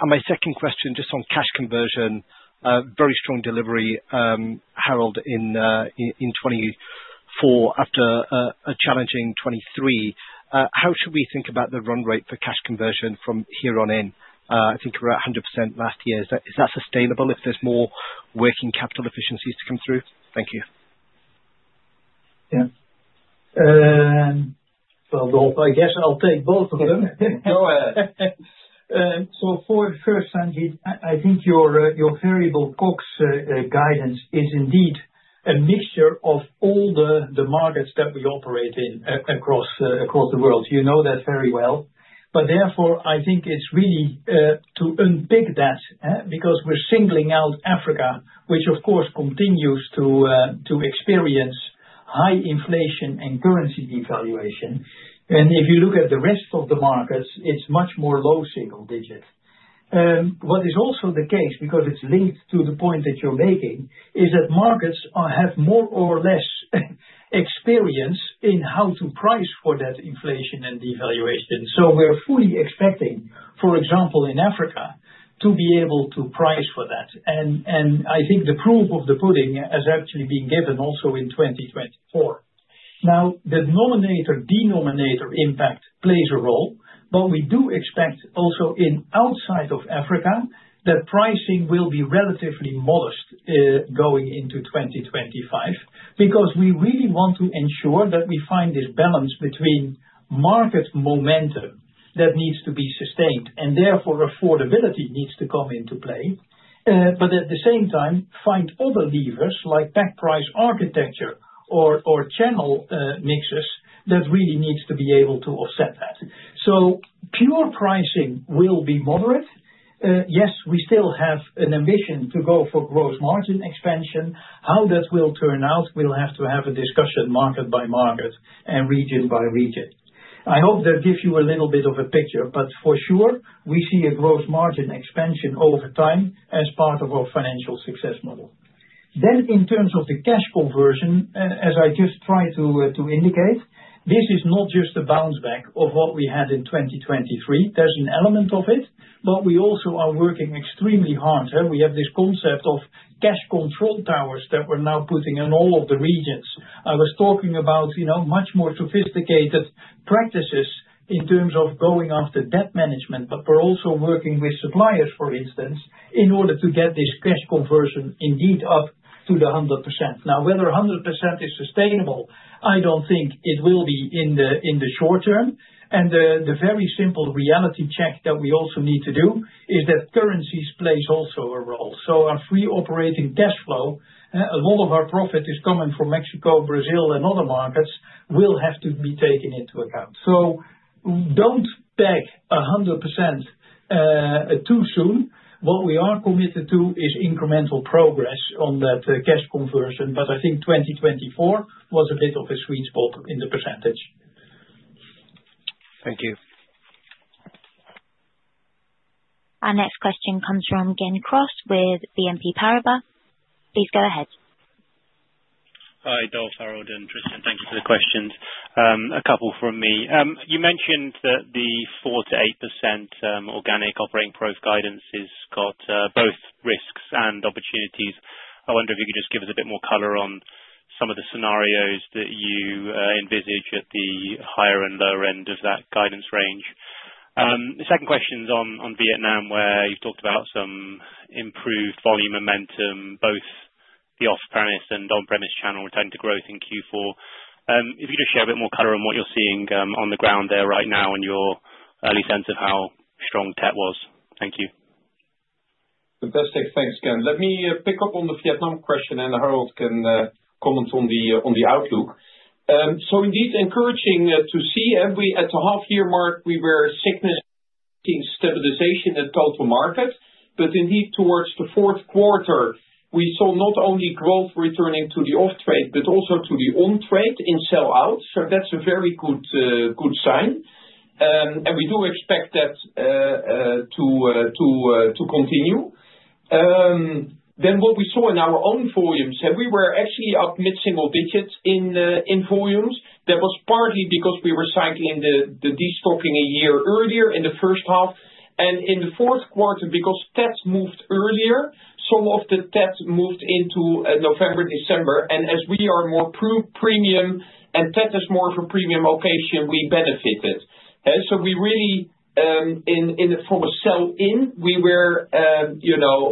And my second question, just on cash conversion, very strong delivery, Harold, in 2024 after a challenging 2023. How should we think about the run rate for cash conversion from here on in? I think we're at 100% last year. Is that sustainable if there's more working capital efficiencies to come through? Thank you. Yeah. Well, Dolf, I guess I'll take both of them. Go ahead. So for first, Sanjeet, I think your variable cost guidance is indeed a mixture of all the markets that we operate in across the world. You know that very well. But therefore, I think it's really to unpick that because we're singling out Africa, which, of course, continues to experience high inflation and currency devaluation. And if you look at the rest of the markets, it's much more low single digit. What is also the case, because it's linked to the point that you're making, is that markets have more or less experience in how to price for that inflation and devaluation. So we're fully expecting, for example, in Africa, to be able to price for that. And I think the proof of the pudding has actually been given also in 2024. Now, the denominator-denominator impact plays a role, but we do expect also outside of Africa that pricing will be relatively modest going into 2025 because we really want to ensure that we find this balance between market momentum that needs to be sustained and therefore affordability needs to come into play, but at the same time, find other levers like back price architecture or channel mixes that really need to be able to offset that. So pure pricing will be moderate. Yes, we still have an ambition to go for gross margin expansion. How that will turn out, we'll have to have a discussion market by market and region by region. I hope that gives you a little bit of a picture, but for sure, we see a gross margin expansion over time as part of our financial success model. Then, in terms of the cash conversion, as I just tried to indicate, this is not just a bounce back of what we had in 2023. There's an element of it, but we also are working extremely hard. We have this concept of Cash Control Towers that we're now putting in all of the regions. I was talking about much more sophisticated practices in terms of going after debt management, but we're also working with suppliers, for instance, in order to get this cash conversion indeed up to the 100%. Now, whether 100% is sustainable, I don't think it will be in the short term. And the very simple reality check that we also need to do is that currencies play also a role. So our free operating cash flow, a lot of our profit is coming from Mexico, Brazil, and other markets, will have to be taken into account. So don't peg 100% too soon. What we are committed to is incremental progress on that cash conversion, but I think 2024 was a bit of a sweet spot in the percentage. Thank you. Our next question comes from Glenn Cross with BNP Paribas. Please go ahead. Hi, Dolf, Harold, and Tristan. Thank you for the questions. A couple from me. You mentioned that the 4%-8% organic operating growth guidance has got both risks and opportunities. I wonder if you could just give us a bit more color on some of the scenarios that you envisage at the higher and lower end of that guidance range. The second question's on Vietnam, where you've talked about some improved volume momentum, both the off-premise and on-premise channel return to growth in Q4. If you could just share a bit more color on what you're seeing on the ground there right now and your early sense of how strong Tet was. Thank you. Fantastic. Thanks, Glenn. Let me pick up on the Vietnam question, and Harold can comment on the outlook. So indeed, encouraging to see at the half-year mark, we were size stabilization at total market, but indeed, towards the fourth quarter, we saw not only growth returning to the off-trade but also to the on-trade in sell-out. So that's a very good sign. And we do expect that to continue. Then what we saw in our own volumes, and we were actually up mid-single digits in volumes. That was partly because we were cycling the destocking a year earlier in the first half. And in the fourth quarter, because Tet moved earlier, some of the Tet moved into November, December. As we are more premium and Tet is more of a premium occasion, we benefited. We really, from a sell-in, we were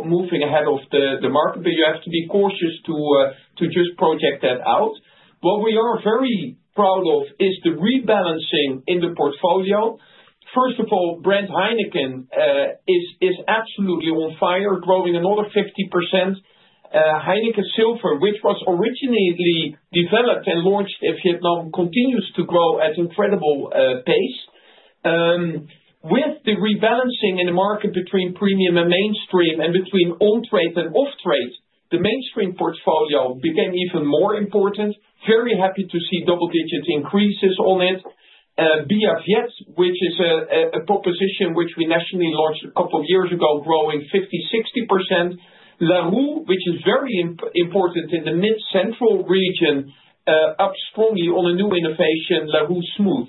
moving ahead of the market, but you have to be cautious to just project that out. What we are very proud of is the rebalancing in the portfolio. First of all, brand Heineken is absolutely on fire, growing another 50%. Heineken Silver, which was originally developed and launched in Vietnam, continues to grow at incredible pace. With the rebalancing in the market between premium and mainstream and between on-trade and off-trade, the mainstream portfolio became even more important. Very happy to see double-digit increases on it. Bia Viet, which is a proposition which we nationally launched a couple of years ago, growing 50%, 60%. Larue, which is very important in the mid-central region, up strongly on a new innovation, Larue Smooth.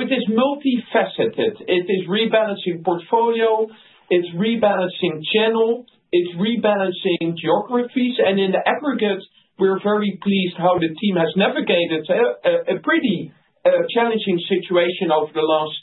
It is multifaceted. It is rebalancing portfolio. It's rebalancing channel. It's rebalancing geographies. And in the aggregate, we're very pleased how the team has navigated a pretty challenging situation over the last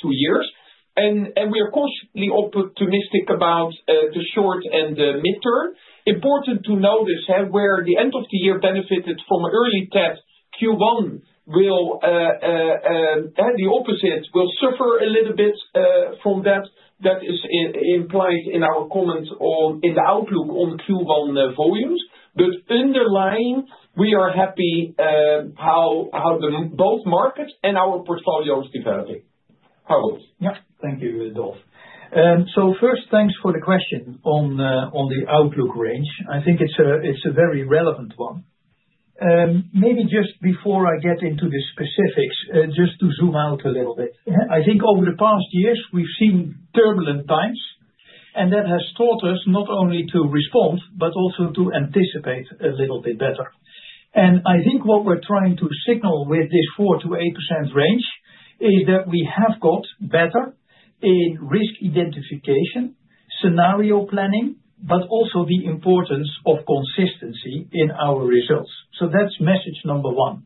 two years. And we are cautiously optimistic about the short and the mid-term. Important to notice where the end of the year benefited from early Easter. Q1 will have the opposite, will suffer a little bit from that. That is implied in our comment on the outlook on Q1 volumes. But underlying, we are happy how both markets and our portfolio is developing. Harold. Yeah. Thank you, Dolf. So first, thanks for the question on the outlook range. I think it's a very relevant one. Maybe just before I get into the specifics, just to zoom out a little bit. I think over the past years, we've seen turbulent times, and that has taught us not only to respond but also to anticipate a little bit better. And I think what we're trying to signal with this 4% to 8% range is that we have got better in risk identification, scenario planning, but also the importance of consistency in our results. So that's message number one.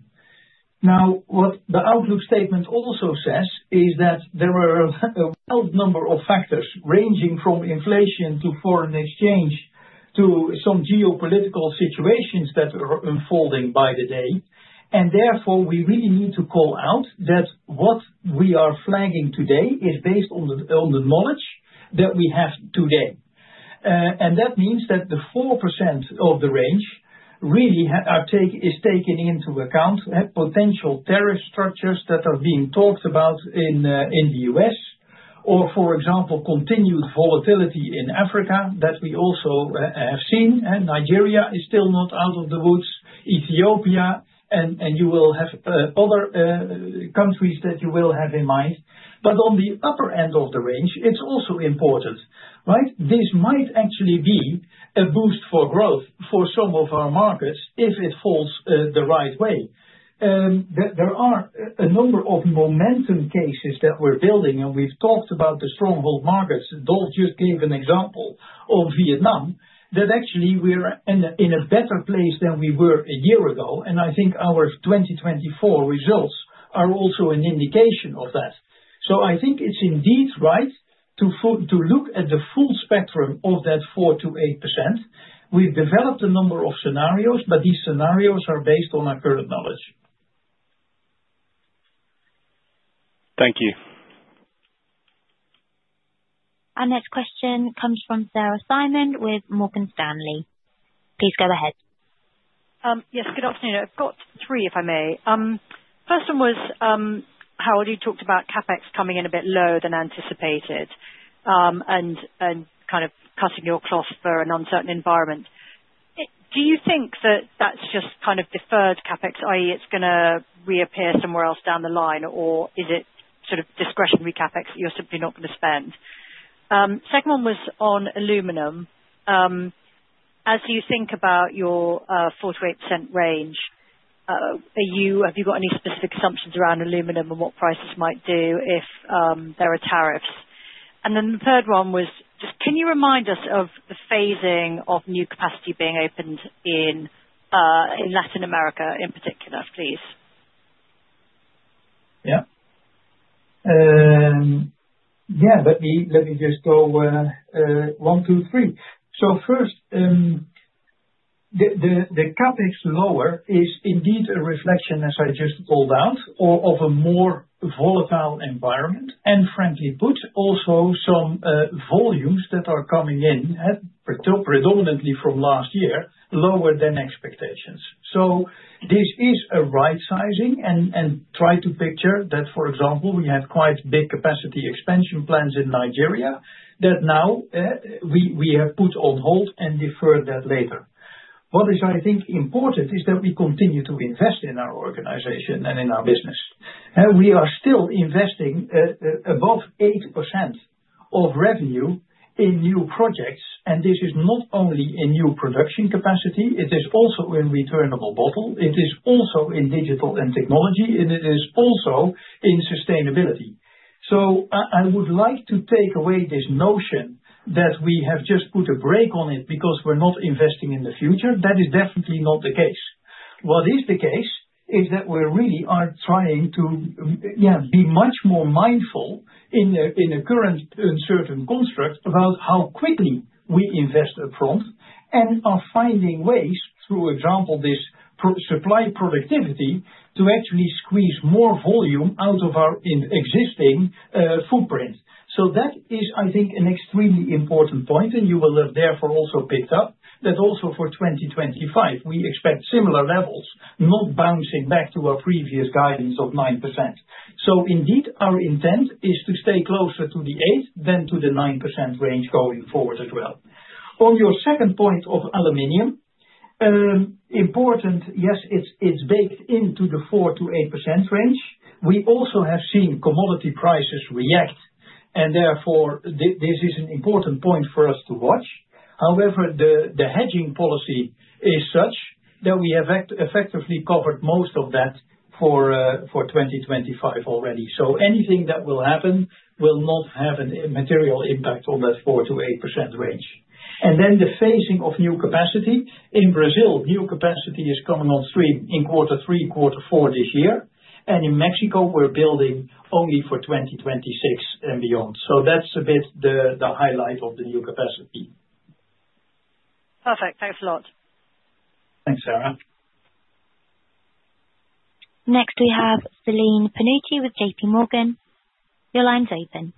Now, what the outlook statement also says is that there are a number of factors ranging from inflation to foreign exchange to some geopolitical situations that are unfolding by the day. And therefore, we really need to call out that what we are flagging today is based on the knowledge that we have today. That means that the 4% of the range really is taken into account potential tariff structures that are being talked about in the U.S., or, for example, continued volatility in Africa that we also have seen. Nigeria is still not out of the woods. Ethiopia, and you will have other countries that you will have in mind. But on the upper end of the range, it's also important, right? This might actually be a boost for growth for some of our markets if it falls the right way. There are a number of momentum cases that we're building, and we've talked about the stronghold markets. Dolf just gave an example of Vietnam that actually we're in a better place than we were a year ago. I think our 2024 results are also an indication of that. So I think it's indeed right to look at the full spectrum of that 4%-8%. We've developed a number of scenarios, but these scenarios are based on our current knowledge. Thank you. Our next question comes from Sarah Simon with Morgan Stanley. Please go ahead. Yes, good afternoon. I've got three, if I may. First one was, Harold, you talked about CapEx coming in a bit lower than anticipated and kind of cutting your cloth for an uncertain environment. Do you think that that's just kind of deferred CapEx, i.e., it's going to reappear somewhere else down the line, or is it sort of discretionary CapEx that you're simply not going to spend? Second one was on aluminum. As you think about your 4%-8% range, have you got any specific assumptions around aluminum and what prices might do if there are tariffs? And then the third one was just, can you remind us of the phasing of new capacity being opened in Latin America in particular, please? Yeah. Yeah, let me just go one, two, three. So first, the CapEx lower is indeed a reflection, as I just pulled out, of a more volatile environment and, frankly put, also some volumes that are coming in predominantly from last year, lower than expectations. So this is a right-sizing and try to picture that, for example, we had quite big capacity expansion plans in Nigeria that now we have put on hold and deferred that later. What is, I think, important is that we continue to invest in our organization and in our business. We are still investing above 8% of revenue in new projects, and this is not only in new production capacity. It is also in returnable bottle. It is also in digital and technology, and it is also in sustainability. So I would like to take away this notion that we have just put a brake on it because we're not investing in the future. That is definitely not the case. What is the case is that we really are trying to be much more mindful in a current uncertain construct about how quickly we invest upfront and are finding ways, through example, this supply productivity to actually squeeze more volume out of our existing footprint. So that is, I think, an extremely important point, and you will have therefore also picked up that also for 2025, we expect similar levels, not bouncing back to our previous guidance of 9%. So indeed, our intent is to stay closer to the 8% than to the 9% range going forward as well. On your second point of aluminum, important, yes, it's baked into the 4% to 8% range. We also have seen commodity prices react, and therefore, this is an important point for us to watch. However, the hedging policy is such that we have effectively covered most of that for 2025 already. So anything that will happen will not have a material impact on that 4% to 8% range. And then the phasing of new capacity in Brazil, new capacity is coming on stream in quarter three, quarter four this year. And in Mexico, we're building only for 2026 and beyond. So that's a bit the highlight of the new capacity. Perfect. Thanks a lot. Thanks, Sarah. Next, we have Celine Pannuti with JP Morgan. Your line's open.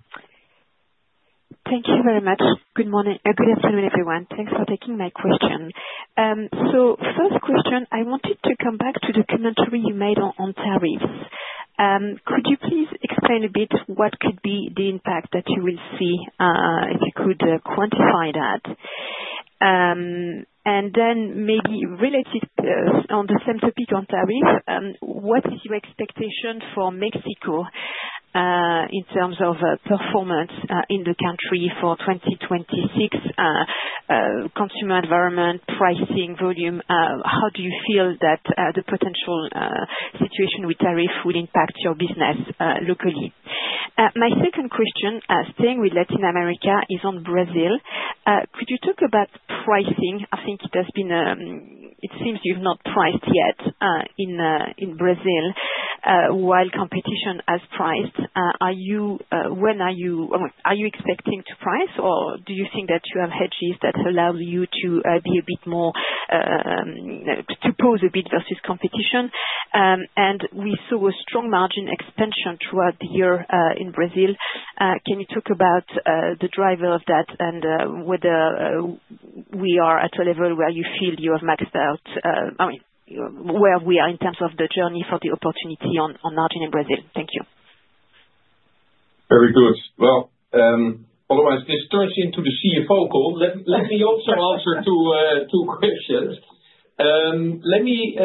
Thank you very much. Good afternoon, everyone. Thanks for taking my question. First question, I wanted to come back to the commentary you made on tariffs. Could you please explain a bit what could be the impact that you will see if you could quantify that? Then maybe related on the same topic on tariff, what is your expectation for Mexico in terms of performance in the country for 2026, consumer environment, pricing, volume? How do you feel that the potential situation with tariffs will impact your business locally? My second question, staying with Latin America, is on Brazil. Could you talk about pricing? I think it has been it seems you've not priced yet in Brazil while competition has priced. When are you expecting to price, or do you think that you have hedges that allow you to be a bit more to pose a bit versus competition? And we saw a strong margin expansion throughout the year in Brazil. Can you talk about the driver of that and whether we are at a level where you feel you have maxed out, I mean, where we are in terms of the journey for the opportunity on margin in Brazil? Thank you. Very good. Well, otherwise, let's turn it into the CFO call. Let me also answer two questions. Let me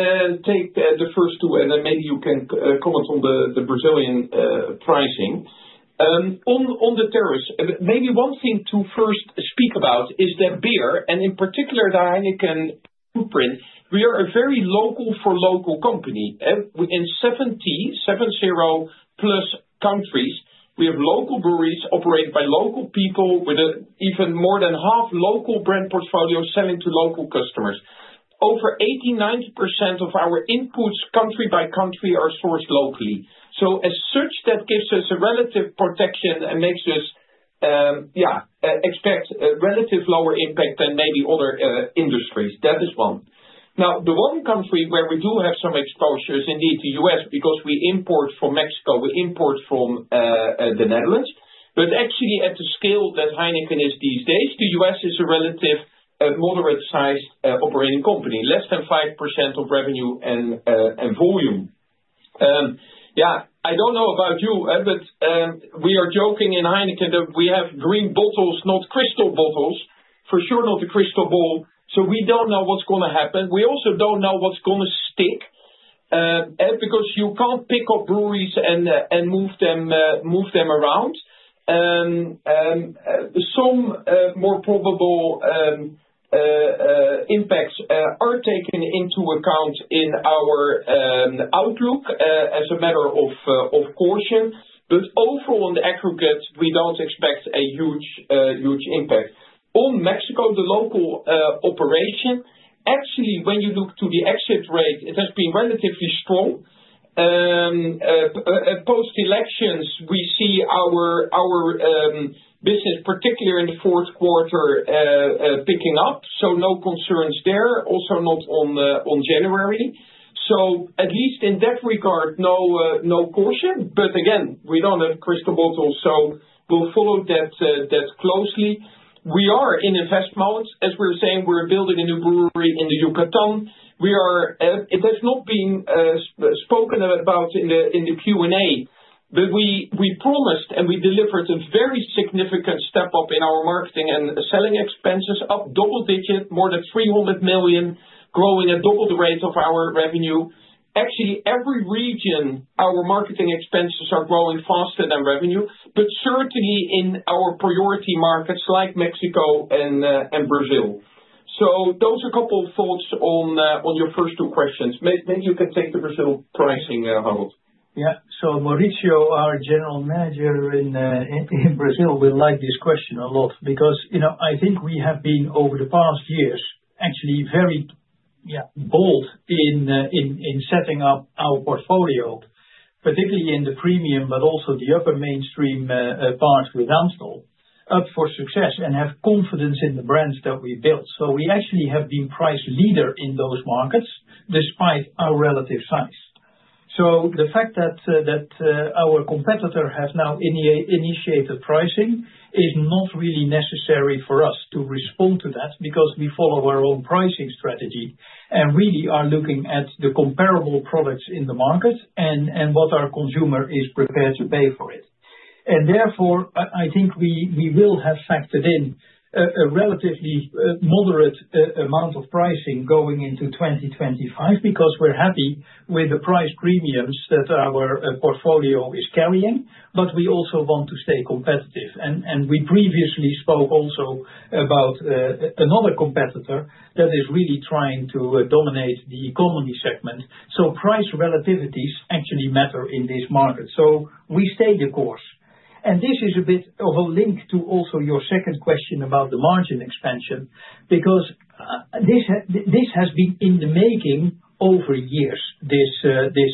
take the first two, and then maybe you can comment on the Brazilian pricing. On the tariffs, maybe one thing to first speak about is that beer, and in particular, the Heineken footprint, we are a very local-for-local company. In 70, 70-plus countries, we have local breweries operated by local people with even more than half local brand portfolios selling to local customers. Over 80%-90% of our inputs country by country are sourced locally. So as such, that gives us a relative protection and makes us, yeah, expect a relative lower impact than maybe other industries. That is one. Now, the one country where we do have some exposure is indeed the U.S. because we import from Mexico. We import from the Netherlands. But actually, at the scale that Heineken is these days, the U.S. is a relatively moderate-sized operating company, less than 5% of revenue and volume. Yeah, I don't know about you, but we are joking in Heineken that we have green bottles, not crystal bottles, for sure not a crystal ball. So we don't know what's going to happen. We also don't know what's going to stick because you can't pick up breweries and move them around. Some more probable impacts are taken into account in our outlook as a matter of caution. But overall, in the aggregate, we don't expect a huge impact. On Mexico, the local operation, actually, when you look to the exit rate, it has been relatively strong. Post-elections, we see our business, particularly in the fourth quarter, picking up. So no concerns there. Also not on January. So at least in that regard, no caution. But again, we don't have crystal ball, so we'll follow that closely. We are in investments. As we were saying, we're building a new brewery in the Yucatán. It has not been spoken about in the Q&A, but we promised and we delivered a very significant step up in our marketing and selling expenses, up double-digit, more than 300 million, growing at double the rate of our revenue. Actually, every region, our marketing expenses are growing faster than revenue, but certainly in our priority markets like Mexico and Brazil. Those are a couple of thoughts on your first two questions. Maybe you can take the Brazil pricing, Harold. Yeah. So Mauricio, our general manager in Brazil, would like this question a lot because I think we have been, over the past years, actually very bold in setting up our portfolio, particularly in the premium, but also the upper mainstream part with Amstel, up for success and have confidence in the brands that we built. So we actually have been price leader in those markets despite our relative size. So the fact that our competitor has now initiated pricing is not really necessary for us to respond to that because we follow our own pricing strategy and really are looking at the comparable products in the market and what our consumer is prepared to pay for it. And therefore, I think we will have factored in a relatively moderate amount of pricing going into 2025 because we're happy with the price premiums that our portfolio is carrying, but we also want to stay competitive. And we previously spoke also about another competitor that is really trying to dominate the economy segment. So price relativities actually matter in this market. So we stay the course. And this is a bit of a link to also your second question about the margin expansion because this has been in the making over years, this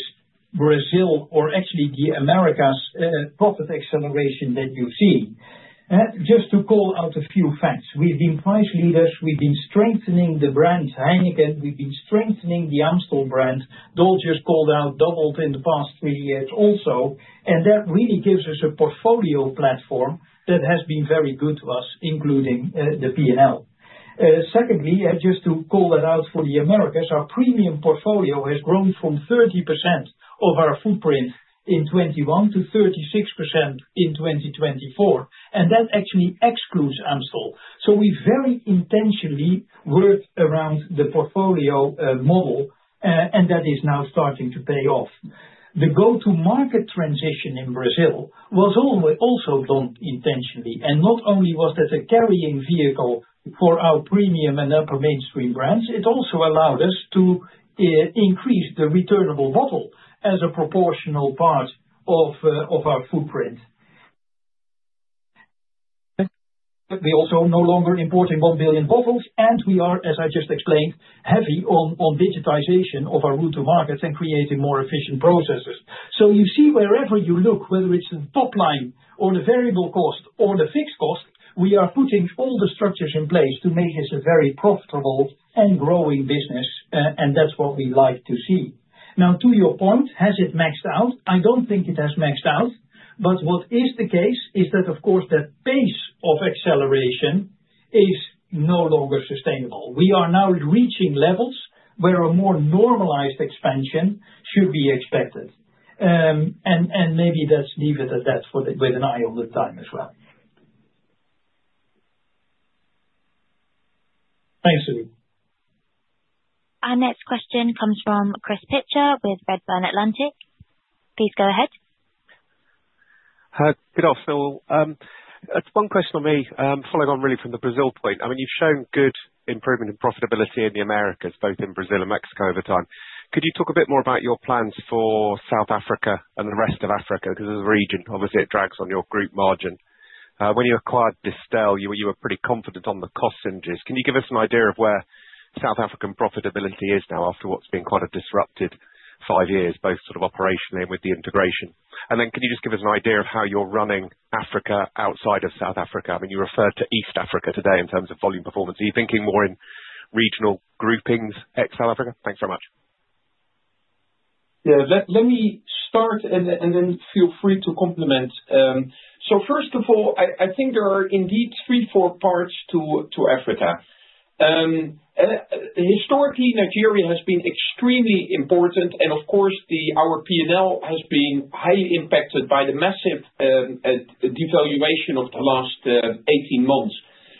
Brazil or actually the Americas profit acceleration that you've seen. Just to call out a few facts, we've been price leaders. We've been strengthening the brand Heineken. We've been strengthening the Amstel brand. Dolf just called out doubled in the past three years also. That really gives us a portfolio platform that has been very good to us, including the P&L. Secondly, just to call that out for the Americas, our premium portfolio has grown from 30% of our footprint in 2021 to 36% in 2024. And that actually excludes Amstel. So we very intentionally worked around the portfolio model, and that is now starting to pay off. The go-to-market transition in Brazil was also done intentionally. And not only was that a carrying vehicle for our premium and upper mainstream brands, it also allowed us to increase the returnable bottle as a proportional part of our footprint. We also are no longer importing 1 billion bottles, and we are, as I just explained, heavy on digitization of our route to markets and creating more efficient processes. So you see, wherever you look, whether it's the top line or the variable cost or the fixed cost, we are putting all the structures in place to make this a very profitable and growing business, and that's what we like to see. Now, to your point, has it maxed out? I don't think it has maxed out. But what is the case is that, of course, the pace of acceleration is no longer sustainable. We are now reaching levels where a more normalized expansion should be expected. And maybe let's leave it at that with an eye on the time as well. Thanks, Celine. Our next question comes from Chris Pitcher with Redburn Atlantic. Please go ahead. Good afternoon. One question from me, following on really from the Brazil point. I mean, you've shown good improvement in profitability in the Americas, both in Brazil and Mexico over time. Could you talk a bit more about your plans for South Africa and the rest of Africa because as a region, obviously, it drags on your group margin? When you acquired Distell, you were pretty confident on the cost synergies. Can you give us an idea of where South African profitability is now after what's been quite a disrupted five years, both sort of operationally and with the integration? And then can you just give us an idea of how you're running Africa outside of South Africa? I mean, you referred to East Africa today in terms of volume performance. Are you thinking more in regional groupings, ex South Africa? Thanks very much. Yeah. Let me start, and then feel free to supplement. So first of all, I think there are indeed three, four parts to Africa. Historically, Nigeria has been extremely important, and of course, our P&L has been highly impacted by the massive devaluation of the last 18 months.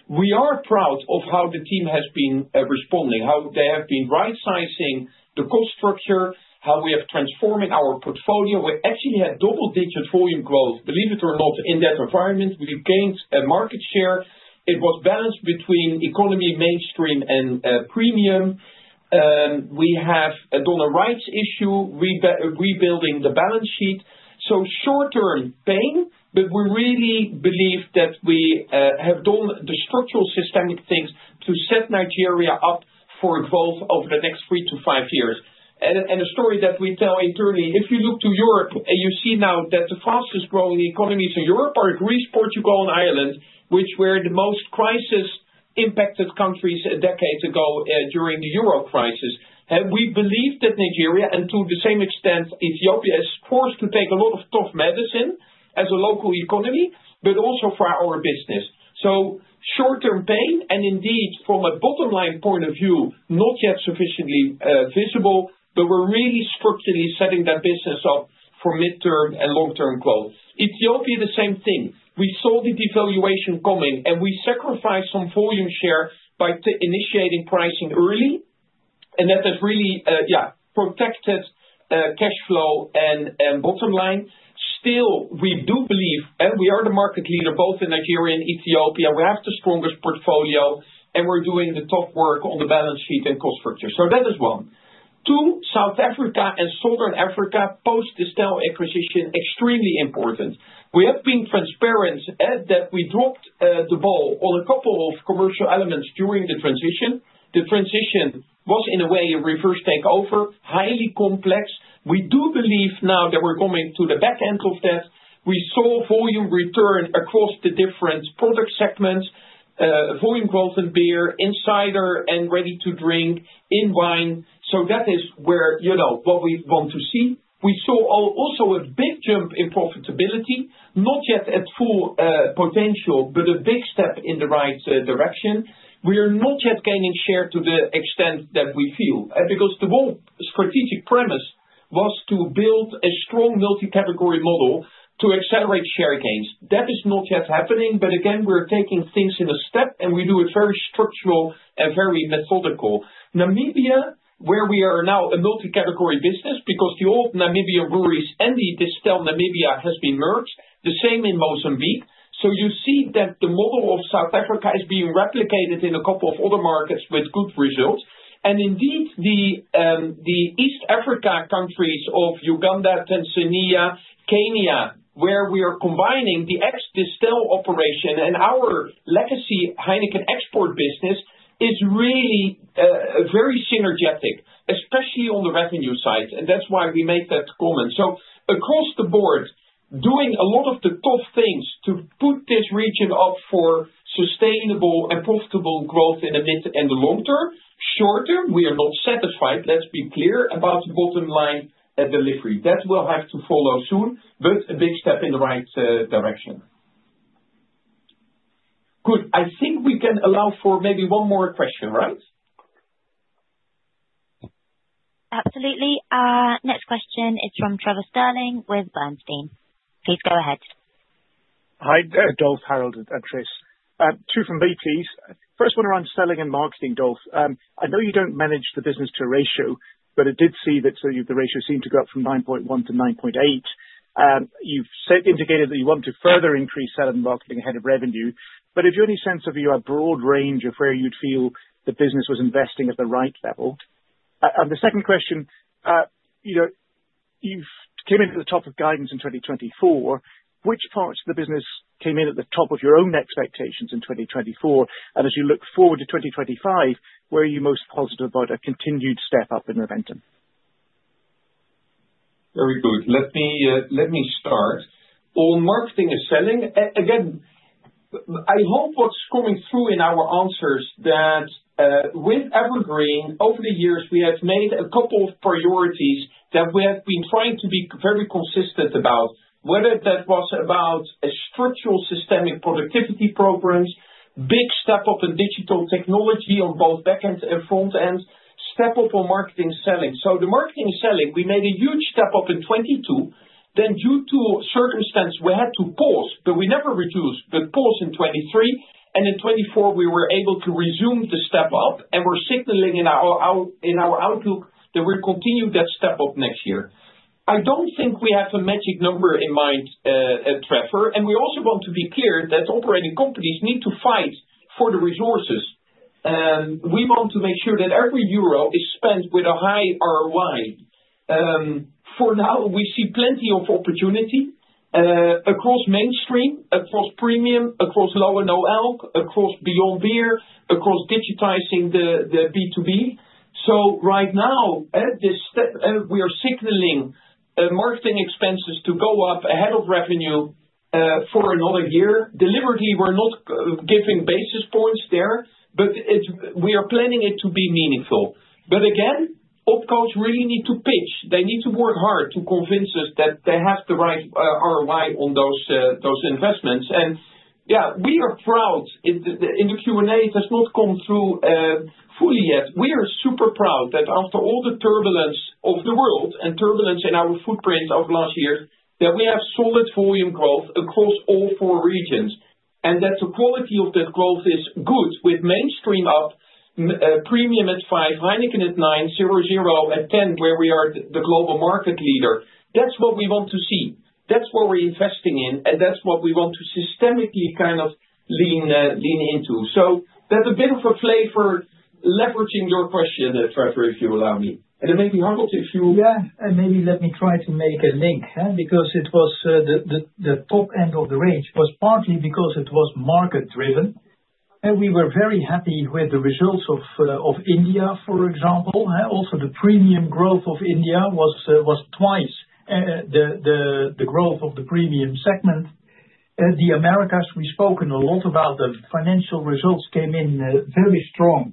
We are proud of how the team has been responding, how they have been right-sizing the cost structure, how we have transformed our portfolio. We actually had double-digit volume growth, believe it or not, in that environment. We gained a market share. It was balanced between economy, mainstream, and premium. We have a dollar rights issue, rebuilding the balance sheet, so short-term pain, but we really believe that we have done the structural systemic things to set Nigeria up for growth over the next three to five years. A story that we tell internally, if you look to Europe, you see now that the fastest-growing economies in Europe are Greece, Portugal, and Ireland, which were the most crisis-impacted countries a decade ago during the Euro crisis. We believe that Nigeria, and to the same extent, Ethiopia is forced to take a lot of tough medicine as a local economy, but also for our business. Short-term pain, and indeed, from a bottom-line point of view, not yet sufficiently visible, but we're really structurally setting that business up for mid-term and long-term growth. Ethiopia, the same thing. We saw the devaluation coming, and we sacrificed some volume share by initiating pricing early, and that has really, yeah, protected cash flow and bottom line. Still, we do believe, and we are the market leader both in Nigeria and Ethiopia. We have the strongest portfolio, and we're doing the tough work on the balance sheet and cost structure. So that is one. Two, South Africa and Southern Africa post-Distell acquisition, extremely important. We have been transparent that we dropped the ball on a couple of commercial elements during the transition. The transition was, in a way, a reverse takeover, highly complex. We do believe now that we're coming to the back end of that. We saw volume return across the different product segments, volume growth in beer, cider, and ready-to-drink, in wine. So that is what we want to see. We saw also a big jump in profitability, not yet at full potential, but a big step in the right direction. We are not yet gaining share to the extent that we feel because the whole strategic premise was to build a strong multi-category model to accelerate share gains. That is not yet happening, but again, we're taking things in a step, and we do it very structured and very methodical. In Namibia, where we are now a multi-category business because the old Namibia Breweries and the Distell Namibia has been merged, the same in Mozambique, so you see that the model of South Africa is being replicated in a couple of other markets with good results, and indeed, the East Africa countries of Uganda, Tanzania, Kenya, where we are combining the ex-Distell operation and our legacy Heineken export business is really very synergistic, especially on the revenue side, and that's why we make that comment, so across the board, doing a lot of the tough things to put this region up for sustainable and profitable growth in the mid and the long term. Short term, we are not satisfied, let's be clear, about the bottom-line delivery. That will have to follow soon, but a big step in the right direction. Good. I think we can allow for maybe one more question, right? Absolutely. Next question is from Trevor Stirling with Bernstein. Please go ahead. Hi, Dolf, Harold, and Tristan. Two from me, please. First one around selling and marketing, Dolf. I know you don't manage the business to ratio, but I did see that the ratio seemed to go up from 9.1 to 9.8. You've indicated that you want to further increase selling and marketing ahead of revenue. But have you any sense of your broad range of where you'd feel the business was investing at the right level? And the second question, you've came into the top of guidance in 2024. Which parts of the business came in at the top of your own expectations in 2024? As you look forward to 2025, where are you most positive about a continued step up in momentum? Very good. Let me start. On marketing and selling, again, I hope what's coming through in our answers that with Evergreen, over the years, we have made a couple of priorities that we have been trying to be very consistent about, whether that was about structural systemic productivity programs, big step up in digital technology on both back-end and front-end, step up on marketing and selling. So the marketing and selling, we made a huge step up in 2022. Then, due to circumstances, we had to pause, but we never reduced, but paused in 2023. And in 2024, we were able to resume the step up, and we're signaling in our outlook that we'll continue that step up next year. I don't think we have a magic number in mind, Trevor. We also want to be clear that operating companies need to fight for the resources. We want to make sure that every euro is spent with a high ROI. For now, we see plenty of opportunity across mainstream, across premium, across Low and No, across Beyond Beer, across digitizing the B2B. So right now, at this step, we are signaling marketing expenses to go up ahead of revenue for another year. Deliberately, we're not giving basis points there, but we are planning it to be meaningful. But again, OpCos really need to pitch. They need to work hard to convince us that they have the right ROI on those investments. And yeah, we are proud. In the Q&A, it has not come through fully yet. We are super proud that after all the turbulence of the world and turbulence in our footprint of last years, that we have solid volume growth across all four regions, and that the quality of that growth is good with mainstream up, premium at 5%, Heineken at 9%, 0.0 at 10%, where we are the global market leader. That's what we want to see. That's what we're investing in, and that's what we want to systematically kind of lean into. So that's a bit of a flavor, leveraging your question, Trevor, if you allow me. And it may be Harold, if you... Yeah, and maybe let me try to make a link because it was the top end of the range was partly because it was market-driven. And we were very happy with the results of India, for example. Also, the premium growth of India was twice the growth of the premium segment. The Americas, we spoke a lot about. The financial results came in very strong,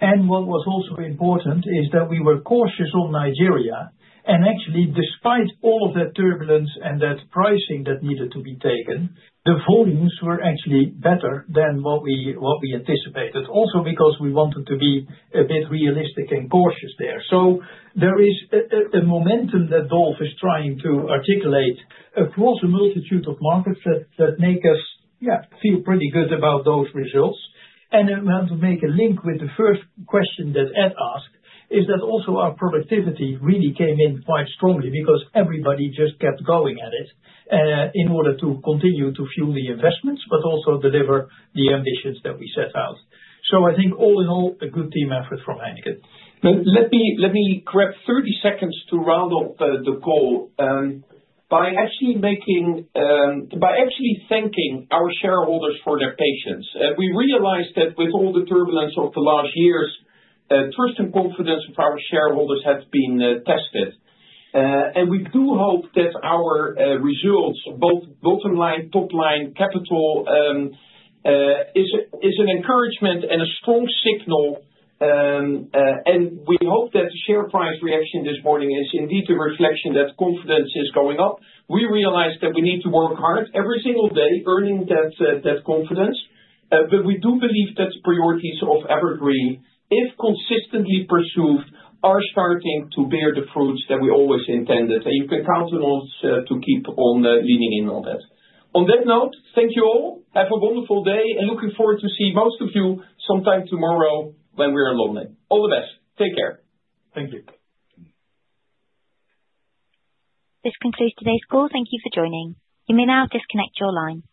and what was also important is that we were cautious on Nigeria, and actually, despite all of that turbulence and that pricing that needed to be taken, the volumes were actually better than what we anticipated, also because we wanted to be a bit realistic and cautious there, so there is a momentum that Dolf is trying to articulate across a multitude of markets that make us feel pretty good about those results, and to make a link with the first question that Ed asked is that also our productivity really came in quite strongly because everybody just kept going at it in order to continue to fuel the investments, but also deliver the ambitions that we set out. So I think all in all, a good team effort from Heineken. Let me grab 30 seconds to round up the call by actually thanking our shareholders for their patience. We realized that with all the turbulence of the last years, trust and confidence of our shareholders have been tested. And we do hope that our results, both bottom line, top line, capital, is an encouragement and a strong signal. And we hope that the share price reaction this morning is indeed a reflection that confidence is going up. We realized that we need to work hard every single day, earning that confidence. But we do believe that the priorities of Evergreen, if consistently pursued, are starting to bear the fruits that we always intended. And you can count on us to keep on leaning in on that. On that note, thank you all. Have a wonderful day, and looking forward to seeing most of you sometime tomorrow when we are alone. All the best. Take care. Thank you. This concludes today's call. Thank you for joining. You may now disconnect your line.